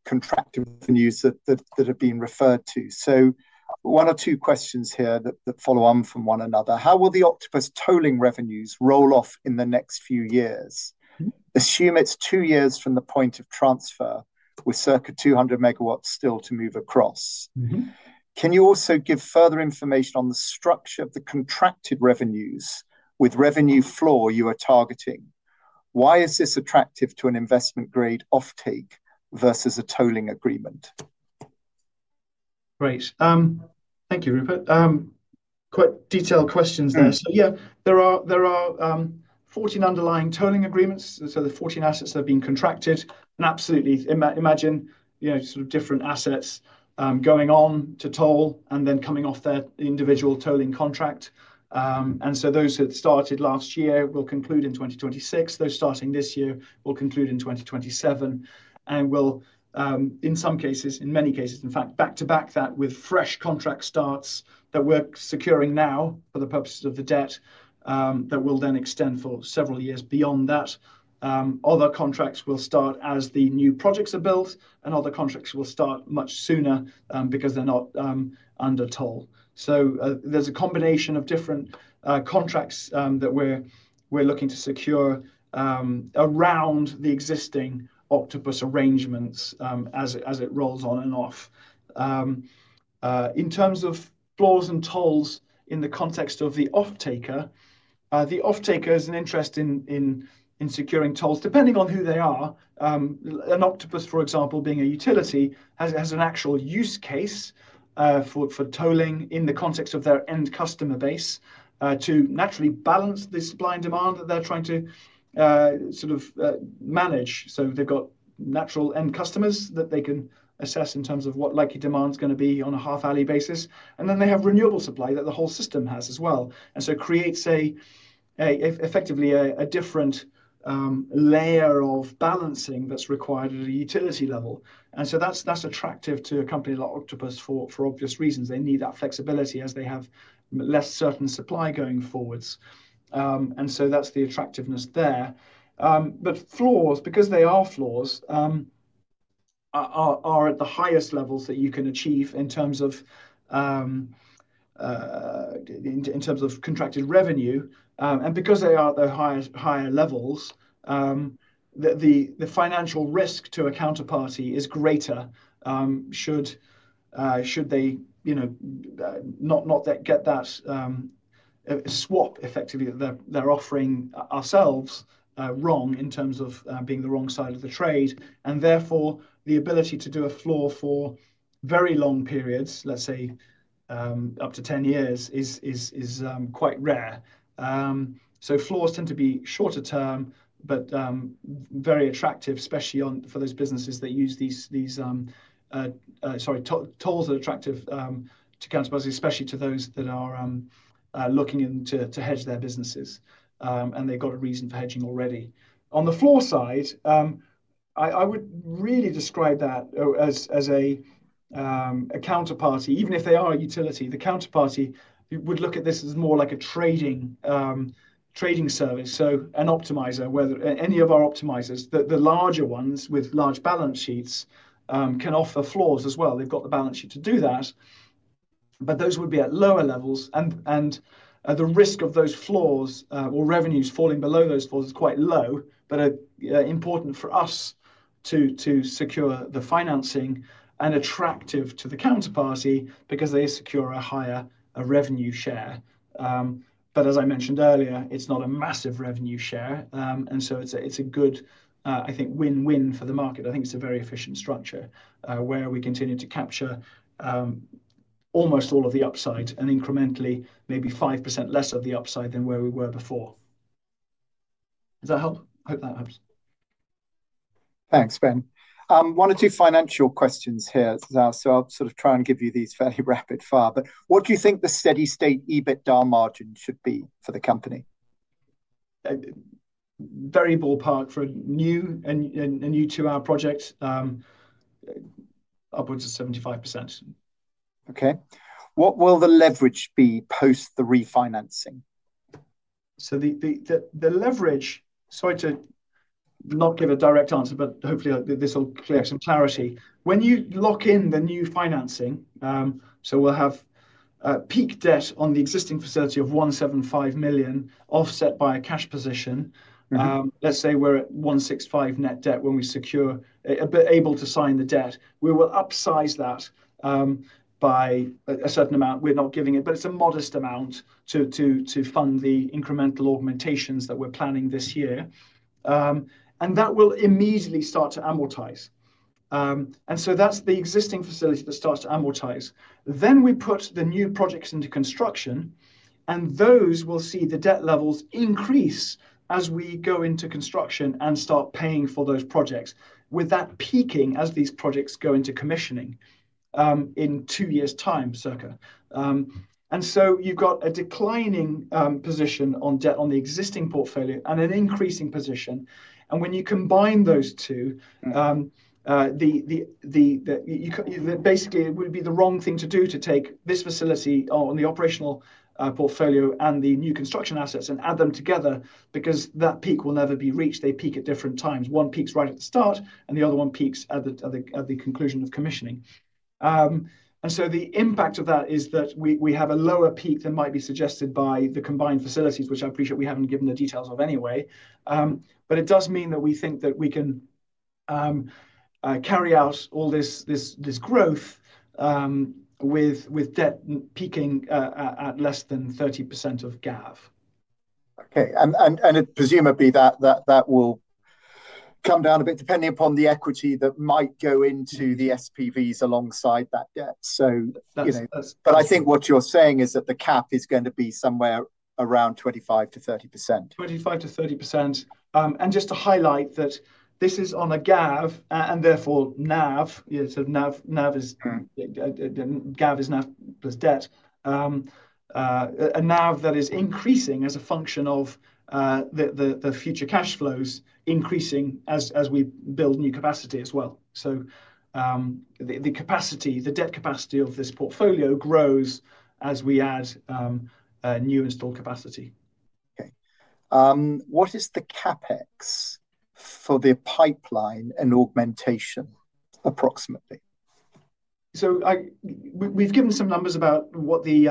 contractor revenues that have been referred to? One or two questions here that follow on from one another. How will the Octopus tolling revenues roll off in the next few years? Assume it's two years from the point of transfer with circa 200 MW still to move across. Can you also give further information on the structure of the contracted revenues with revenue floor you are targeting? Why is this attractive to an investment-grade offtake versus a tolling agreement? Great. Thank you, Rupert. Quite detailed questions there. Yeah, there are 14 underlying tolling agreements. There are 14 assets that have been contracted. Absolutely, imagine sort of different assets going on to toll and then coming off their individual tolling contract. Those that started last year will conclude in 2026. Those starting this year will conclude in 2027. In some cases, in many cases, in fact, back to back that with fresh contract starts that we're securing now for the purposes of the debt that will then extend for several years beyond that. Other contracts will start as the new projects are built, and other contracts will start much sooner because they're not under toll. There is a combination of different contracts that we're looking to secure around the existing Octopus arrangements as it rolls on and off. In terms of floors and tolls in the context of the offtaker, the offtaker is an interest in securing tolls depending on who they are. Octopus, for example, being a utility, has an actual use case for tolling in the context of their end customer base to naturally balance this blind demand that they're trying to sort of manage. They have natural end customers that they can assess in terms of what likely demand's going to be on a half-hourly basis. They have renewable supply that the whole system has as well. It creates, effectively, a different layer of balancing that is required at a utility level. That is attractive to a company like Octopus for obvious reasons. They need that flexibility as they have less certain supply going forwards. That is the attractiveness there. Floors, because they are floors, are at the highest levels that you can achieve in terms of contracted revenue. Because they are at the higher levels, the financial risk to a counterparty is greater should they not get that swap effectively that they are offering ourselves wrong in terms of being the wrong side of the trade. Therefore, the ability to do a floor for very long periods, let's say up to 10 years, is quite rare. Floors tend to be shorter term, but very attractive, especially for those businesses that use these—sorry, tolls are attractive to counterparty, especially to those that are looking to hedge their businesses. They have got a reason for hedging already. On the floor side, I would really describe that as a counterparty, even if they are a utility. The counterparty would look at this as more like a trading service. An optimizer, any of our optimizers, the larger ones with large balance sheets can offer floors as well. They have got the balance sheet to do that. Those would be at lower levels. The risk of those floors or revenues falling below those floors is quite low, but important for us to secure the financing and attractive to the counterparty because they secure a higher revenue share. As I mentioned earlier, it is not a massive revenue share. It is a good, I think, win-win for the market. I think it is a very efficient structure where we continue to capture almost all of the upside and incrementally maybe 5% less of the upside than where we were before. Does that help? Hope that helps. Thanks, Ben. One or two financial questions here. I will sort of try and give you these fairly rapid-fire. What do you think the steady-state EBITDA margin should be for the company? Very ballpark for a new two-hour project, upwards of 75%. Okay. What will the leverage be post the refinancing? The leverage—sorry to not give a direct answer, but hopefully this will create some clarity. When you lock in the new financing, we will have peak debt on the existing facility of 175 million offset by a cash position. Let's say we're at 165 million net debt when we secure, but able to sign the debt. We will upsize that by a certain amount. We're not giving it, but it's a modest amount to fund the incremental augmentations that we're planning this year. That will immediately start to amortize. That is the existing facility that starts to amortize. We put the new projects into construction, and those will see the debt levels increase as we go into construction and start paying for those projects with that peaking as these projects go into commissioning in two years' time, circa. You have a declining position on debt on the existing portfolio and an increasing position. When you combine those two, basically, it would be the wrong thing to do to take this facility on the operational portfolio and the new construction assets and add them together because that peak will never be reached. They peak at different times. One peaks right at the start, and the other one peaks at the conclusion of commissioning. The impact of that is that we have a lower peak than might be suggested by the combined facilities, which I appreciate we have not given the details of anyway. It does mean that we think that we can carry out all this growth with debt peaking at less than 30% of GAV. It presumably will come down a bit depending upon the equity that might go into the SPVs alongside that debt. I think what you're saying is that the cap is going to be somewhere around 25%-30%. 25-30%. Just to highlight that this is on a GAV and therefore NAV. GAV is NAV plus debt. A NAV that is increasing as a function of the future cash flows increasing as we build new capacity as well. The debt capacity of this portfolio grows as we add new installed capacity. Okay. What is the CapEx for the pipeline and augmentation, approximately? We've given some numbers about what the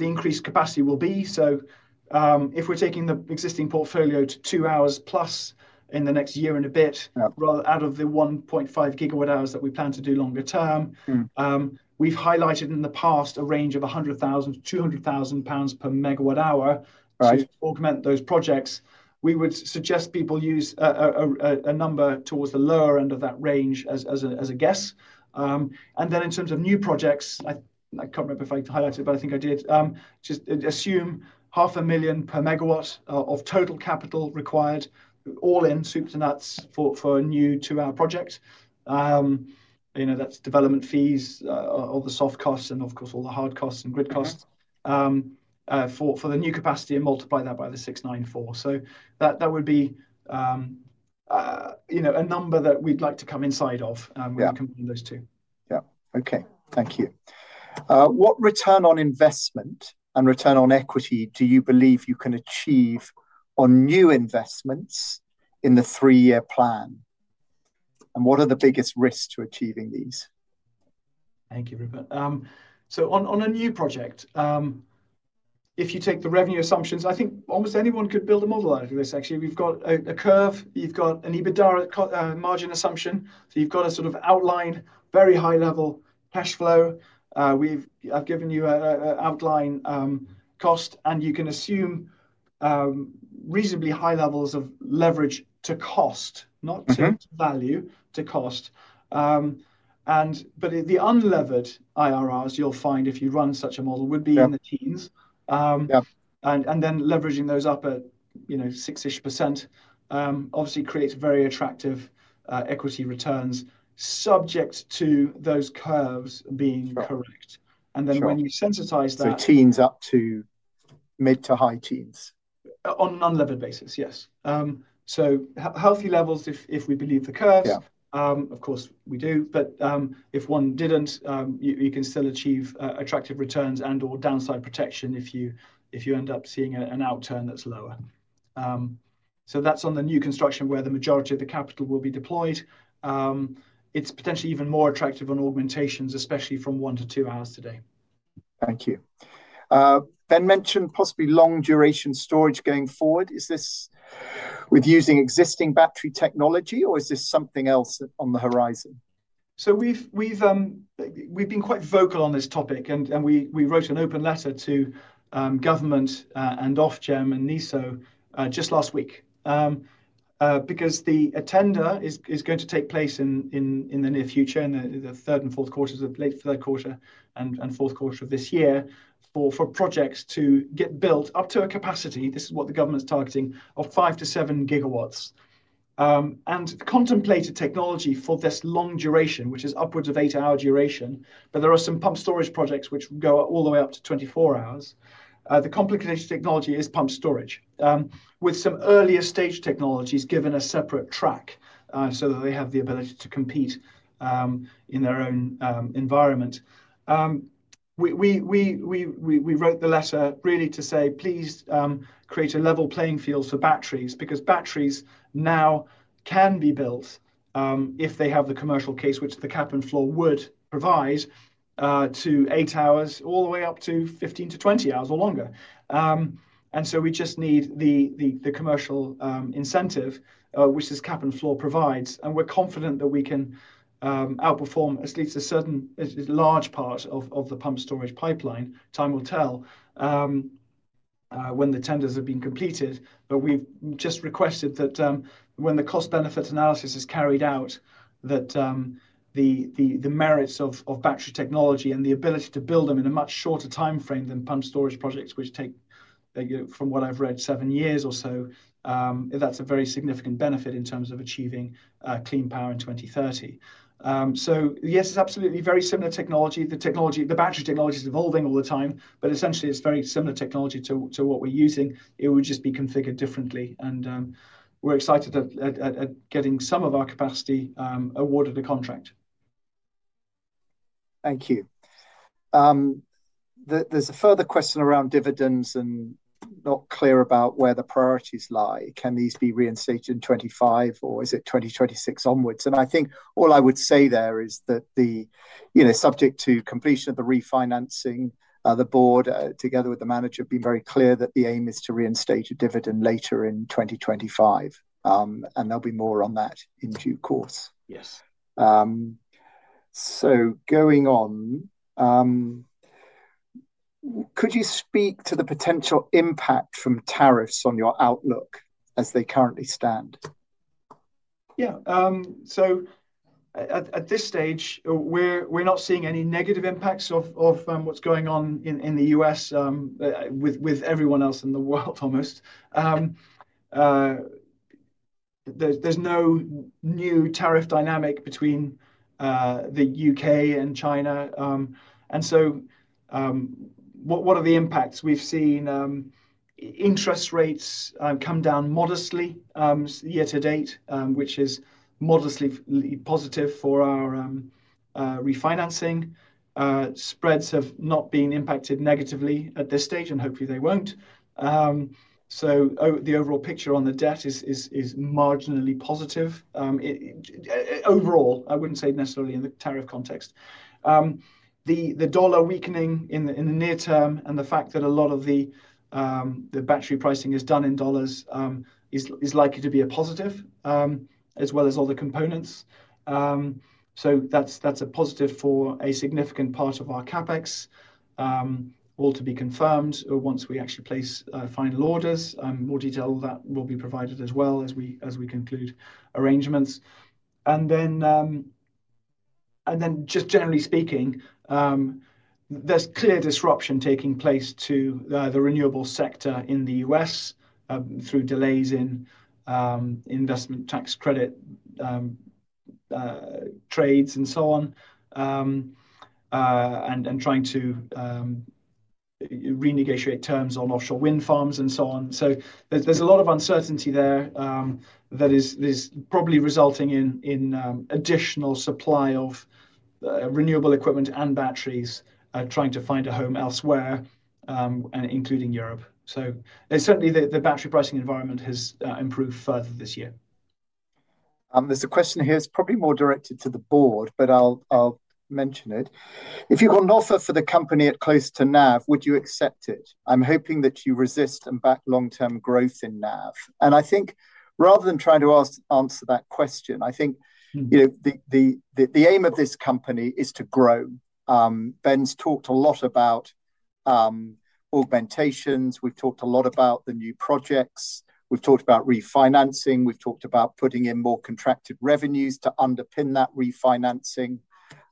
increased capacity will be. If we're taking the existing portfolio to two hours plus in the next year and a bit out of the 1.5 GWh that we plan to do longer term, we've highlighted in the past a range of 100,000-200,000 pounds per megawatt hour to augment those projects. We would suggest people use a number towards the lower end of that range as a guess. In terms of new projects, I can't remember if I highlighted it, but I think I did, just 500,000 per megawatt of total capital required, all in soup to nuts for a new two-hour project. That's development fees, all the soft costs, and of course, all the hard costs and grid costs for the new capacity and multiply that by the 694 MW. That would be a number that we'd like to come inside of when we combine those two. Yeah. Okay. Thank you. What return on investment and return on equity do you believe you can achieve on new investments in the three-year plan? What are the biggest risks to achieving these? Thank you, Rupert. On a new project, if you take the revenue assumptions, I think almost anyone could build a model out of this, actually. We've got a curve. You've got an EBITDA margin assumption. You've got a sort of outline, very high-level cash flow. I've given you an outline cost, and you can assume reasonably high levels of leverage to cost, not to value, to cost. The unlevered IRRs you'll find if you run such a model would be in the teens. Leveraging those up at 6%ish obviously creates very attractive equity returns subject to those curves being correct. When you sensitize that, If one did not, you can still achieve attractive returns and/or downside protection if you end up seeing an outturn that is lower. That is on the new construction where the majority of the capital will be deployed. It is potentially even more attractive on augmentations, especially from one to two hours today. Thank you. Ben mentioned possibly long-duration storage going forward. Is this with using existing battery technology, or is this something else on the horizon? We have been quite vocal on this topic, and we wrote an open letter to government and NESO just last week because the attender is going to take place in the near future, in the third and fourth quarters, the late third quarter and fourth quarter of this year for projects to get built up to a capacity. This is what the government is targeting of 5 GW-7 GW. Contemplated technology for this long duration, which is upwards of eight-hour duration, but there are some pump storage projects which go all the way up to 24 hours. The complicated technology is pump storage with some earlier stage technologies given a separate track so that they have the ability to compete in their own environment. We wrote the letter really to say, "Please create a level playing field for batteries because batteries now can be built if they have the commercial case, which the cap and floor would provide to eight hours all the way up to 15 hours-20 hours or longer." We just need the commercial incentive, which this cap and floor provides. We are confident that we can outperform at least a large part of the pump storage pipeline. Time will tell when the tenders have been completed. We have just requested that when the cost-benefit analysis is carried out, the merits of battery technology and the ability to build them in a much shorter timeframe than pump storage projects, which take, from what I have read, seven years or so, is considered. That is a very significant benefit in terms of achieving clean power in 2030. Yes, it is absolutely very similar technology. The battery technology is evolving all the time, but essentially, it is very similar technology to what we are using. It would just be configured differently. We are excited at getting some of our capacity awarded a contract. Thank you. There is a further question around dividends and not clear about where the priorities lie. Can these be reinstated in 2025, or is it 2026 onwards? I think all I would say there is that subject to completion of the refinancing, the board, together with the manager, have been very clear that the aim is to reinstate a dividend later in 2025. There will be more on that in due course. Going on, could you speak to the potential impact from tariffs on your outlook as they currently stand? Yeah. At this stage, we're not seeing any negative impacts of what's going on in the U.S. with everyone else in the world, almost. There's no new tariff dynamic between the U.K. and China. What are the impacts? We've seen interest rates come down modestly year to date, which is modestly positive for our refinancing. Spreads have not been impacted negatively at this stage, and hopefully, they won't. The overall picture on the debt is marginally positive. Overall, I would not say necessarily in the tariff context. The dollar weakening in the near term and the fact that a lot of the battery pricing is done in dollars is likely to be a positive, as well as other components. That is a positive for a significant part of our CapEx, all to be confirmed once we actually place final orders. More detail on that will be provided as we conclude arrangements. Generally speaking, there is clear disruption taking place to the renewable sector in the U.S. through delays in investment tax credit trades and trying to renegotiate terms on offshore wind farms. There is a lot of uncertainty there that is probably resulting in additional supply of renewable equipment and batteries trying to find a home elsewhere, including Europe. Certainly, the battery pricing environment has improved further this year. There's a question here that's probably more directed to the board, but I'll mention it. If you got an offer for the company at close to NAV, would you accept it? I'm hoping that you resist and back long-term growth in NAV. I think rather than trying to answer that question, I think the aim of this company is to grow. Ben's talked a lot about augmentations. We've talked a lot about the new projects. We've talked about refinancing. We've talked about putting in more contracted revenues to underpin that refinancing.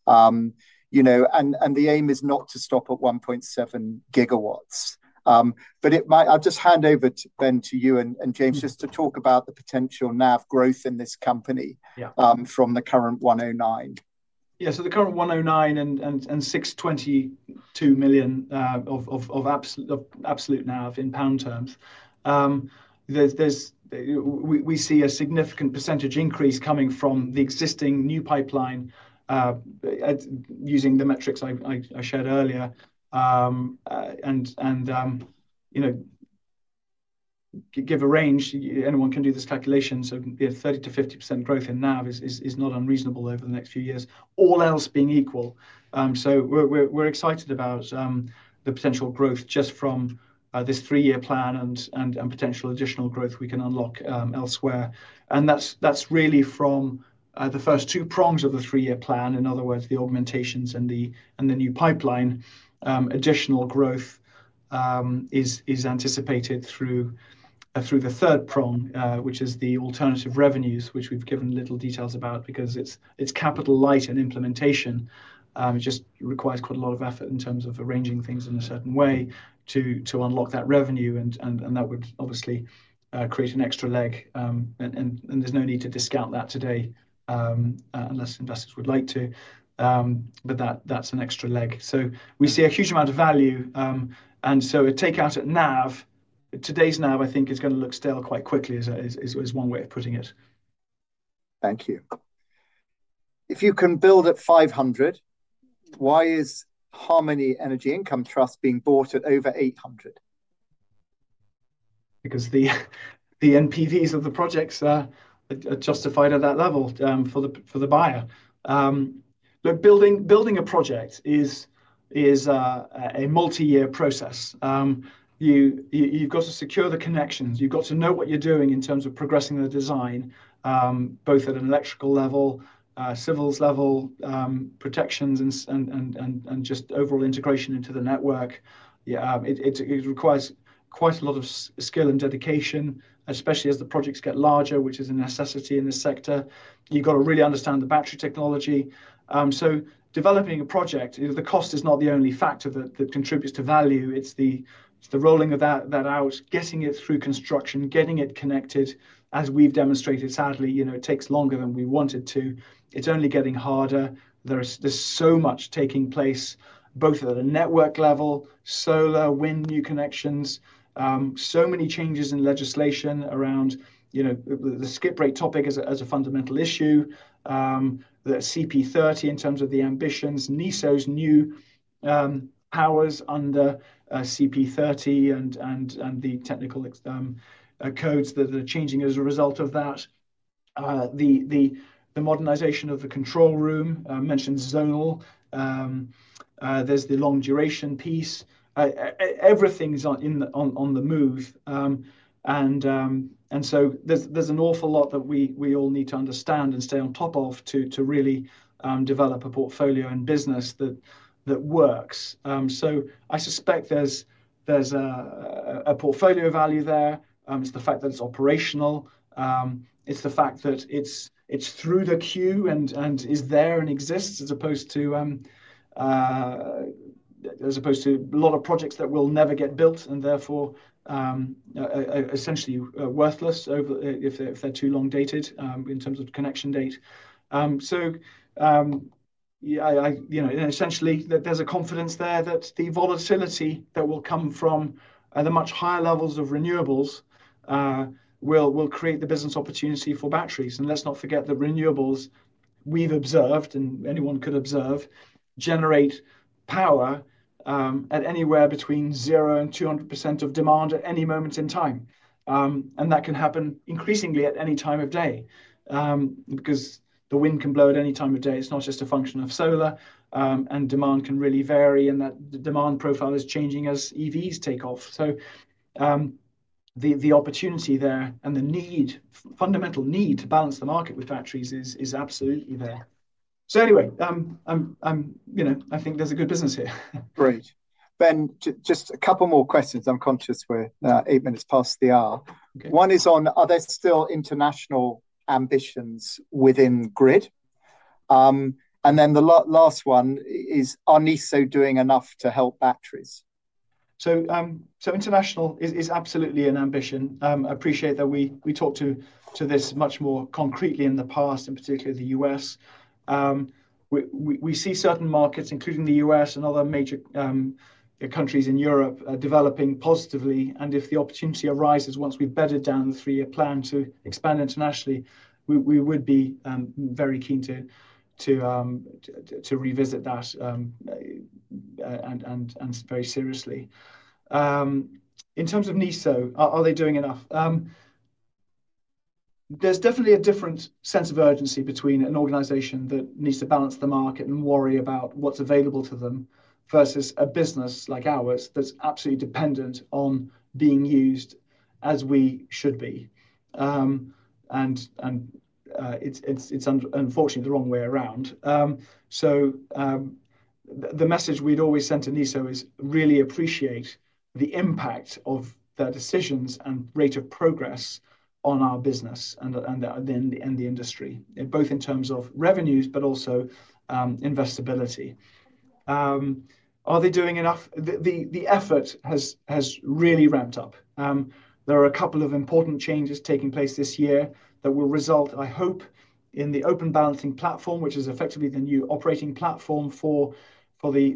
The aim is not to stop at 1.7 GW. I'll just hand over, Ben, to you and James just to talk about the potential NAV growth in this company from the current 109. Yeah. The current 109 and 622 million of absolute NAV in pound terms, we see a significant percentage increase coming from the existing new pipeline using the metrics I shared earlier and give a range. Anyone can do this calculation. 30%-50% growth in NAV is not unreasonable over the next few years, all else being equal. We are excited about the potential growth just from this three-year plan and potential additional growth we can unlock elsewhere. That is really from the first two prongs of the three-year plan. In other words, the augmentations and the new pipeline, additional growth is anticipated through the third prong, which is the alternative revenues, which we have given little details about because it is capital light and implementation. It just requires quite a lot of effort in terms of arranging things in a certain way to unlock that revenue. That would obviously create an extra leg. There is no need to discount that today unless investors would like to. That is an extra leg. We see a huge amount of value. Take out at NAV, today's NAV, I think is going to look stale quite quickly, is one way of putting it. Thank you. If you can build at 500 MW why is Harmony Energy Income Trust being bought at over 800 MW? Because the NPVs of the projects are justified at that level for the buyer. Look, building a project is a multi-year process. You have to secure the connections. You have to know what you are doing in terms of progressing the design, both at an electrical level, civils level, protections, and just overall integration into the network. It requires quite a lot of skill and dedication, especially as the projects get larger, which is a necessity in this sector. You've got to really understand the battery technology. Developing a project, the cost is not the only factor that contributes to value. It's the rolling of that out, getting it through construction, getting it connected. As we've demonstrated, sadly, it takes longer than we wanted to. It's only getting harder. There's so much taking place, both at a network level, solar, wind, new connections, so many changes in legislation around the skip rate topic as a fundamental issue, the CP30 in terms of the ambitions, NESO's new powers under CP30 and the technical codes that are changing as a result of that, the modernization of the control room, mentioned zonal. There's the long-duration piece. Everything's on the move. There is an awful lot that we all need to understand and stay on top of to really develop a portfolio and business that works. I suspect there is a portfolio value there. It is the fact that it is operational. It is the fact that it is through the queue and is there and exists as opposed to a lot of projects that will never get built and therefore are essentially worthless if they are too long-dated in terms of connection date. Essentially, there is a confidence there that the volatility that will come from the much higher levels of renewables will create the business opportunity for batteries. Let's not forget the renewables we have observed and anyone could observe generate power at anywhere between zero and 200% of demand at any moment in time. That can happen increasingly at any time of day because the wind can blow at any time of day. It's not just a function of solar. Demand can really vary in that the demand profile is changing as EVs take off. The opportunity there and the fundamental need to balance the market with batteries is absolutely there. I think there's a good business here. Great. Ben, just a couple more questions. I'm conscious we're eight minutes past the hour. One is on, are there still international ambitions within GRID? The last one is, are NESO doing enough to help batteries? International is absolutely an ambition. I appreciate that we talked to this much more concretely in the past in particular the U.S. We see certain markets, including the U.S. And the other major countries in Europe, developing positively. If the opportunity arises once we've bedded down the three-year plan to expand internationally, we would be very keen to revisit that very seriously. In NESO, are they doing enough? There's definitely a different sense of urgency between an organization that needs to balance the market and worry about what's available to them versus a business like ours that's absolutely dependent on being used as we should be. It's unfortunately the wrong way around. The message we'd always NESO is really appreciate the impact of their decisions and rate of progress on our business and the industry, both in terms of revenues, but also investability. Are they doing enough? The effort has really ramped up. There are a couple of important changes taking place this year that will result, I hope, in the open balancing platform, which is effectively the new operating platform for the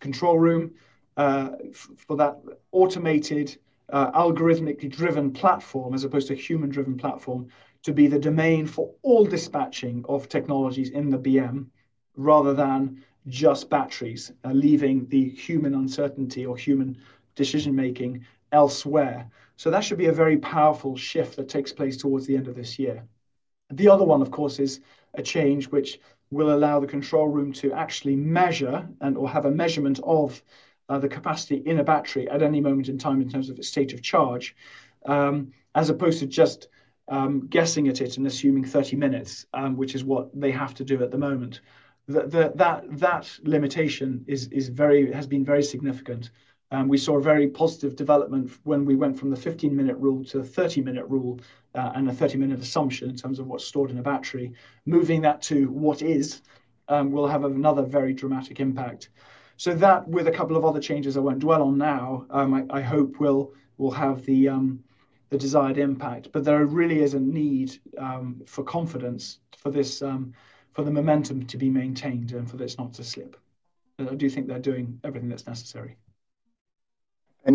control room, for that automated algorithmically driven platform as opposed to human-driven platform to be the domain for all dispatching of technologies in the BM rather than just batteries, leaving the human uncertainty or human decision-making elsewhere. That should be a very powerful shift that takes place towards the end of this year. The other one, of course, is a change which will allow the control room to actually measure and/or have a measurement of the capacity in a battery at any moment in time in terms of its state of charge, as opposed to just guessing at it and assuming 30 minutes, which is what they have to do at the moment. That limitation has been very significant. We saw a very positive development when we went from the 15-minute rule to the 30-minute rule and a 30-minute assumption in terms of what's stored in a battery. Moving that to what is will have another very dramatic impact. That, with a couple of other changes I will not dwell on now, I hope will have the desired impact. There really is a need for confidence for the momentum to be maintained and for this not to slip. I do think they are doing everything that's necessary.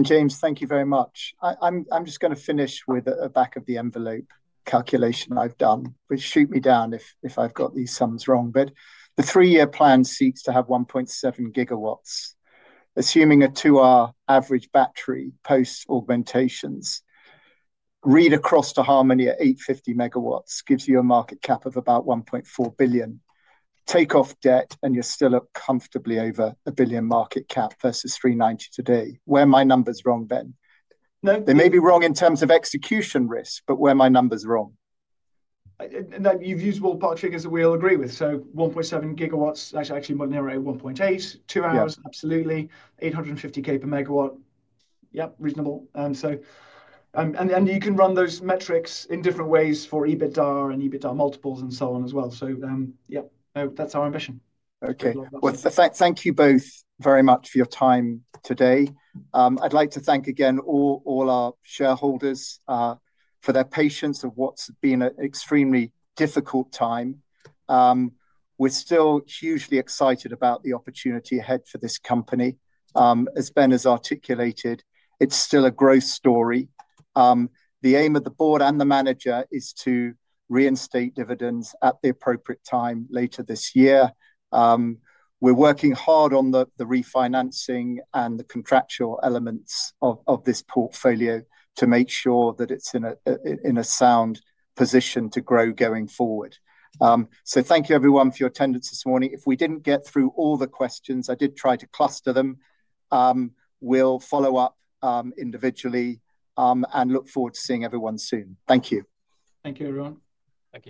James, thank you very much. I'm just going to finish with a back-of-the-envelope calculation I've done, but shoot me down if I've got these sums wrong. The three-year plan seeks to have 1.7 GW. Assuming a two-hour average battery post augmentations, read across to Harmony at 850 MW gives you a market cap of about 1.4 billion. Take off debt and you're still up comfortably over a billion market cap versus 390 million today. Where are my numbers wrong, Ben? No, they may be wrong in terms of execution risk, but where are my numbers wrong? You've used Walt Pachig as we all agree with. So 1.7 GW, actually more narrow, 1.8, two hours, absolutely, 850K per megawatt. Yep, reasonable. And you can run those metrics in different ways for EBITDA and EBITDA multiples and so on as well. Yeah, that's our ambition. Thank you both very much for your time today. I'd like to thank again all our shareholders for their patience of what's been an extremely difficult time. We're still hugely excited about the opportunity ahead for this company. As Ben has articulated, it's still a growth story. The aim of the board and the manager is to reinstate dividends at the appropriate time later this year. We are working hard on the refinancing and the contractual elements of this portfolio to make sure that it is in a sound position to grow going forward. Thank you, everyone, for your attendance this morning. If we did not get through all the questions, I did try to cluster them. We will follow up individually and look forward to seeing everyone soon. Thank you. Thank you, everyone. Thank you.